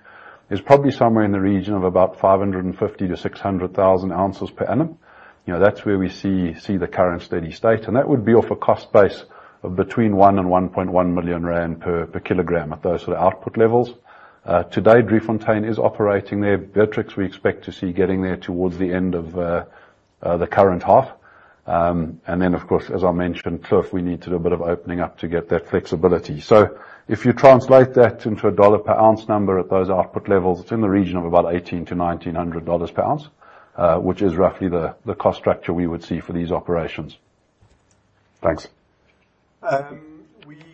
Speaker 2: is probably somewhere in the region of about 550,000 oz-600,000 oz per annum. You know, that's where we see the current steady state, and that would be off a cost base of between 1 million and 1.1 million rand per kilogram at those sort of output levels. Today, Driefontein is operating there. Beatrix, we expect to see getting there towards the end of the current half, and then, of course, as I mentioned, Kloof, we need to do a bit of opening up to get that flexibility. So if you translate that into a dollar per ounce number at those output levels, it's in the region of about $1,800-$1,900 per ounce, which is roughly the cost structure we would see for these operations. Thanks.
Speaker 8: We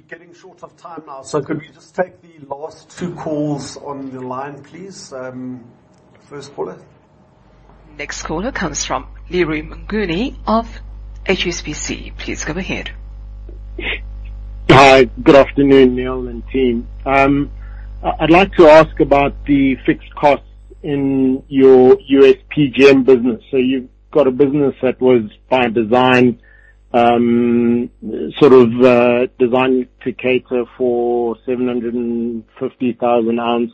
Speaker 8: getting short of time now. So could we just take the last two calls on the line, please? First caller.
Speaker 9: Next caller comes from Leroy Mnguni of HSBC. Please go ahead.
Speaker 14: Hi, good afternoon, Neal and team. I'd like to ask about the fixed costs in your U.S. PGM business. So you've got a business that was by design, sort of, designed to cater for 750,000 oz,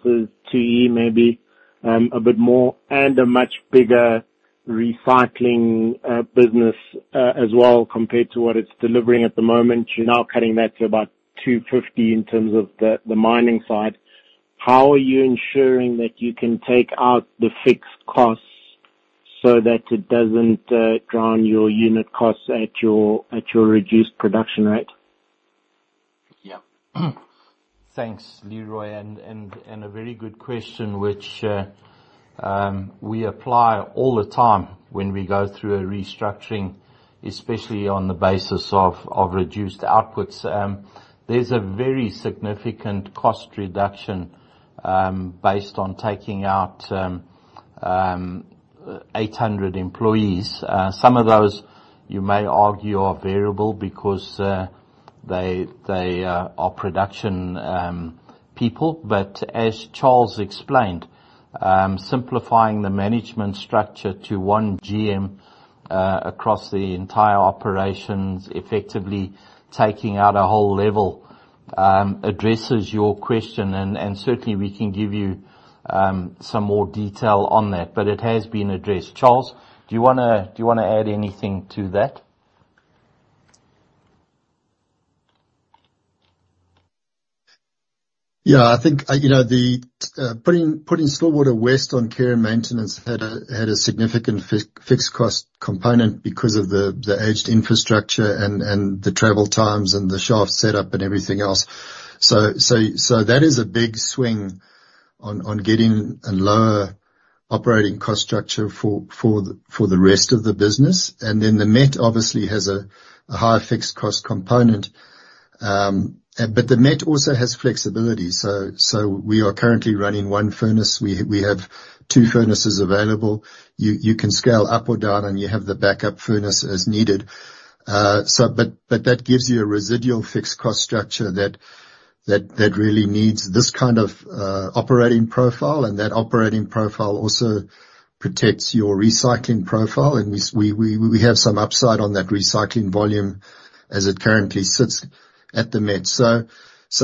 Speaker 14: to maybe a bit more, and a much bigger recycling business, as well, compared to what it's delivering at the moment. You're now cutting that to about 250 in terms of the mining side. How are you ensuring that you can take out the fixed costs so that it doesn't drown your unit costs at your reduced production rate?
Speaker 1: Yeah. Thanks, Leroy, and a very good question, which we apply all the time when we go through a restructuring, especially on the basis of reduced outputs. There's a very significant cost reduction based on taking out 800 employees. Some of those, you may argue, are variable because they are production people. But as Charles explained, simplifying the management structure to one GM across the entire operations, effectively taking out a whole level addresses your question. And certainly, we can give you some more detail on that, but it has been addressed. Charles, do you wanna add anything to that?
Speaker 6: Yeah, I think, you know, putting Stillwater West on care and maintenance had a significant fixed cost component because of the aged infrastructure and the travel times, and the shaft setup, and everything else. So that is a big swing on getting a lower operating cost structure for the rest of the business. And then the Met obviously has a higher fixed cost component. But the Met also has flexibility. So we are currently running one furnace. We have two furnaces available. You can scale up or down, and you have the backup furnace as needed. But that gives you a residual fixed cost structure that really needs this kind of operating profile, and that operating profile also protects your recycling profile. We have some upside on that recycling volume as it currently sits at the Met. So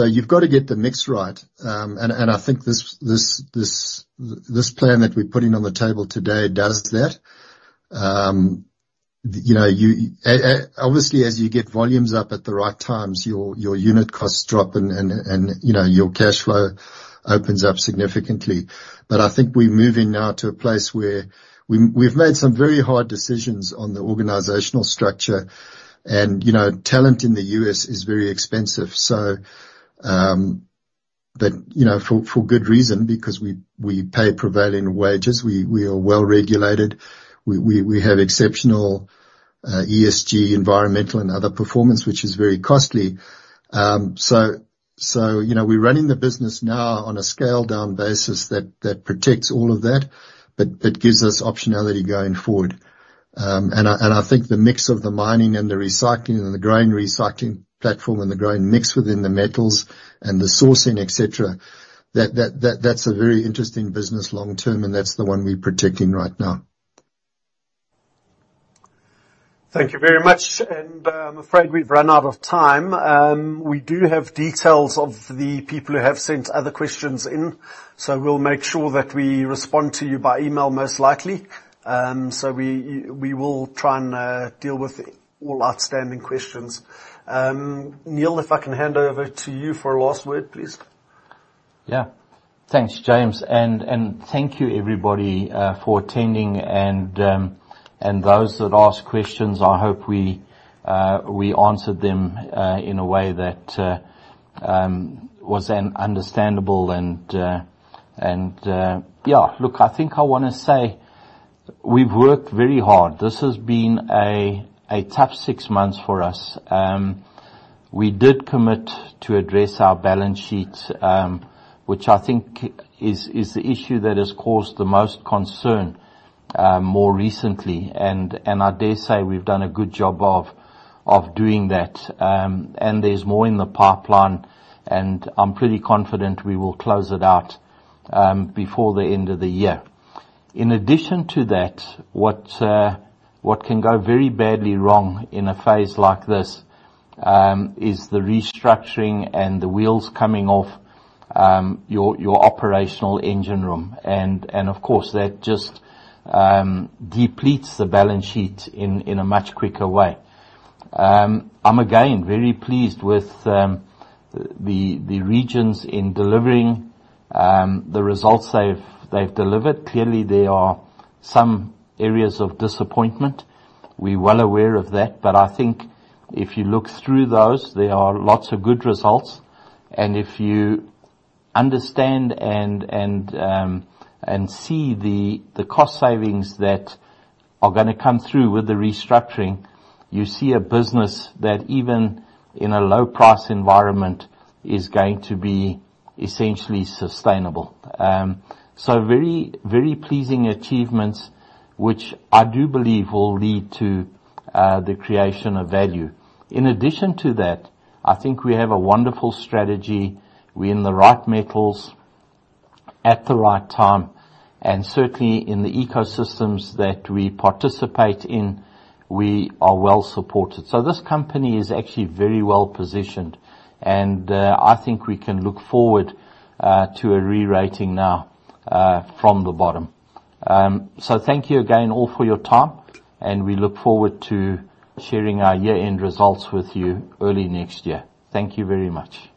Speaker 6: you've got to get the mix right, and I think this plan that we're putting on the table today does that. You know, obviously, as you get volumes up at the right times, your unit costs drop and you know, your cash flow opens up significantly. But I think we're moving now to a place where we've made some very hard decisions on the organizational structure, and you know, talent in the U.S. is very expensive. So but you know, for good reason, because we pay prevailing wages. We are well-regulated. We have exceptional ESG, environmental, and other performance, which is very costly. So, you know, we're running the business now on a scale-down basis that protects all of that, but that gives us optionality going forward. And I think the mix of the mining and the recycling, and the growing recycling platform, and the growing mix within the metals and the sourcing, et cetera, that's a very interesting business long-term, and that's the one we're protecting right now.
Speaker 8: Thank you very much, and, I'm afraid we've run out of time. We do have details of the people who have sent other questions in, so we'll make sure that we respond to you by email, most likely. So we will try and deal with all outstanding questions. Neal, if I can hand over to you for a last word, please.
Speaker 1: Yeah. Thanks, James, and thank you, everybody, for attending, and those that asked questions, I hope we answered them in a way that was understandable and yeah, look, I think I wanna say we've worked very hard. This has been a tough six months for us. We did commit to address our balance sheet, which I think is the issue that has caused the most concern more recently, and I dare say we've done a good job of doing that. And there's more in the pipeline, and I'm pretty confident we will close it out before the end of the year. In addition to that, what can go very badly wrong in a phase like this is the restructuring and the wheels coming off your operational engine room and of course, that just depletes the balance sheet in a much quicker way. I'm again very pleased with the regions in delivering the results they've delivered. Clearly, there are some areas of disappointment. We're well aware of that, but I think if you look through those, there are lots of good results. And if you understand and see the cost savings that are gonna come through with the restructuring, you see a business that even in a low price environment is going to be essentially sustainable. So very, very pleasing achievements, which I do believe will lead to the creation of value. In addition to that, I think we have a wonderful strategy. We're in the right metals at the right time, and certainly in the ecosystems that we participate in, we are well-supported. So this company is actually very well-positioned, and I think we can look forward to a re-rating now from the bottom. So thank you again, all, for your time, and we look forward to sharing our year-end results with you early next year. Thank you very much.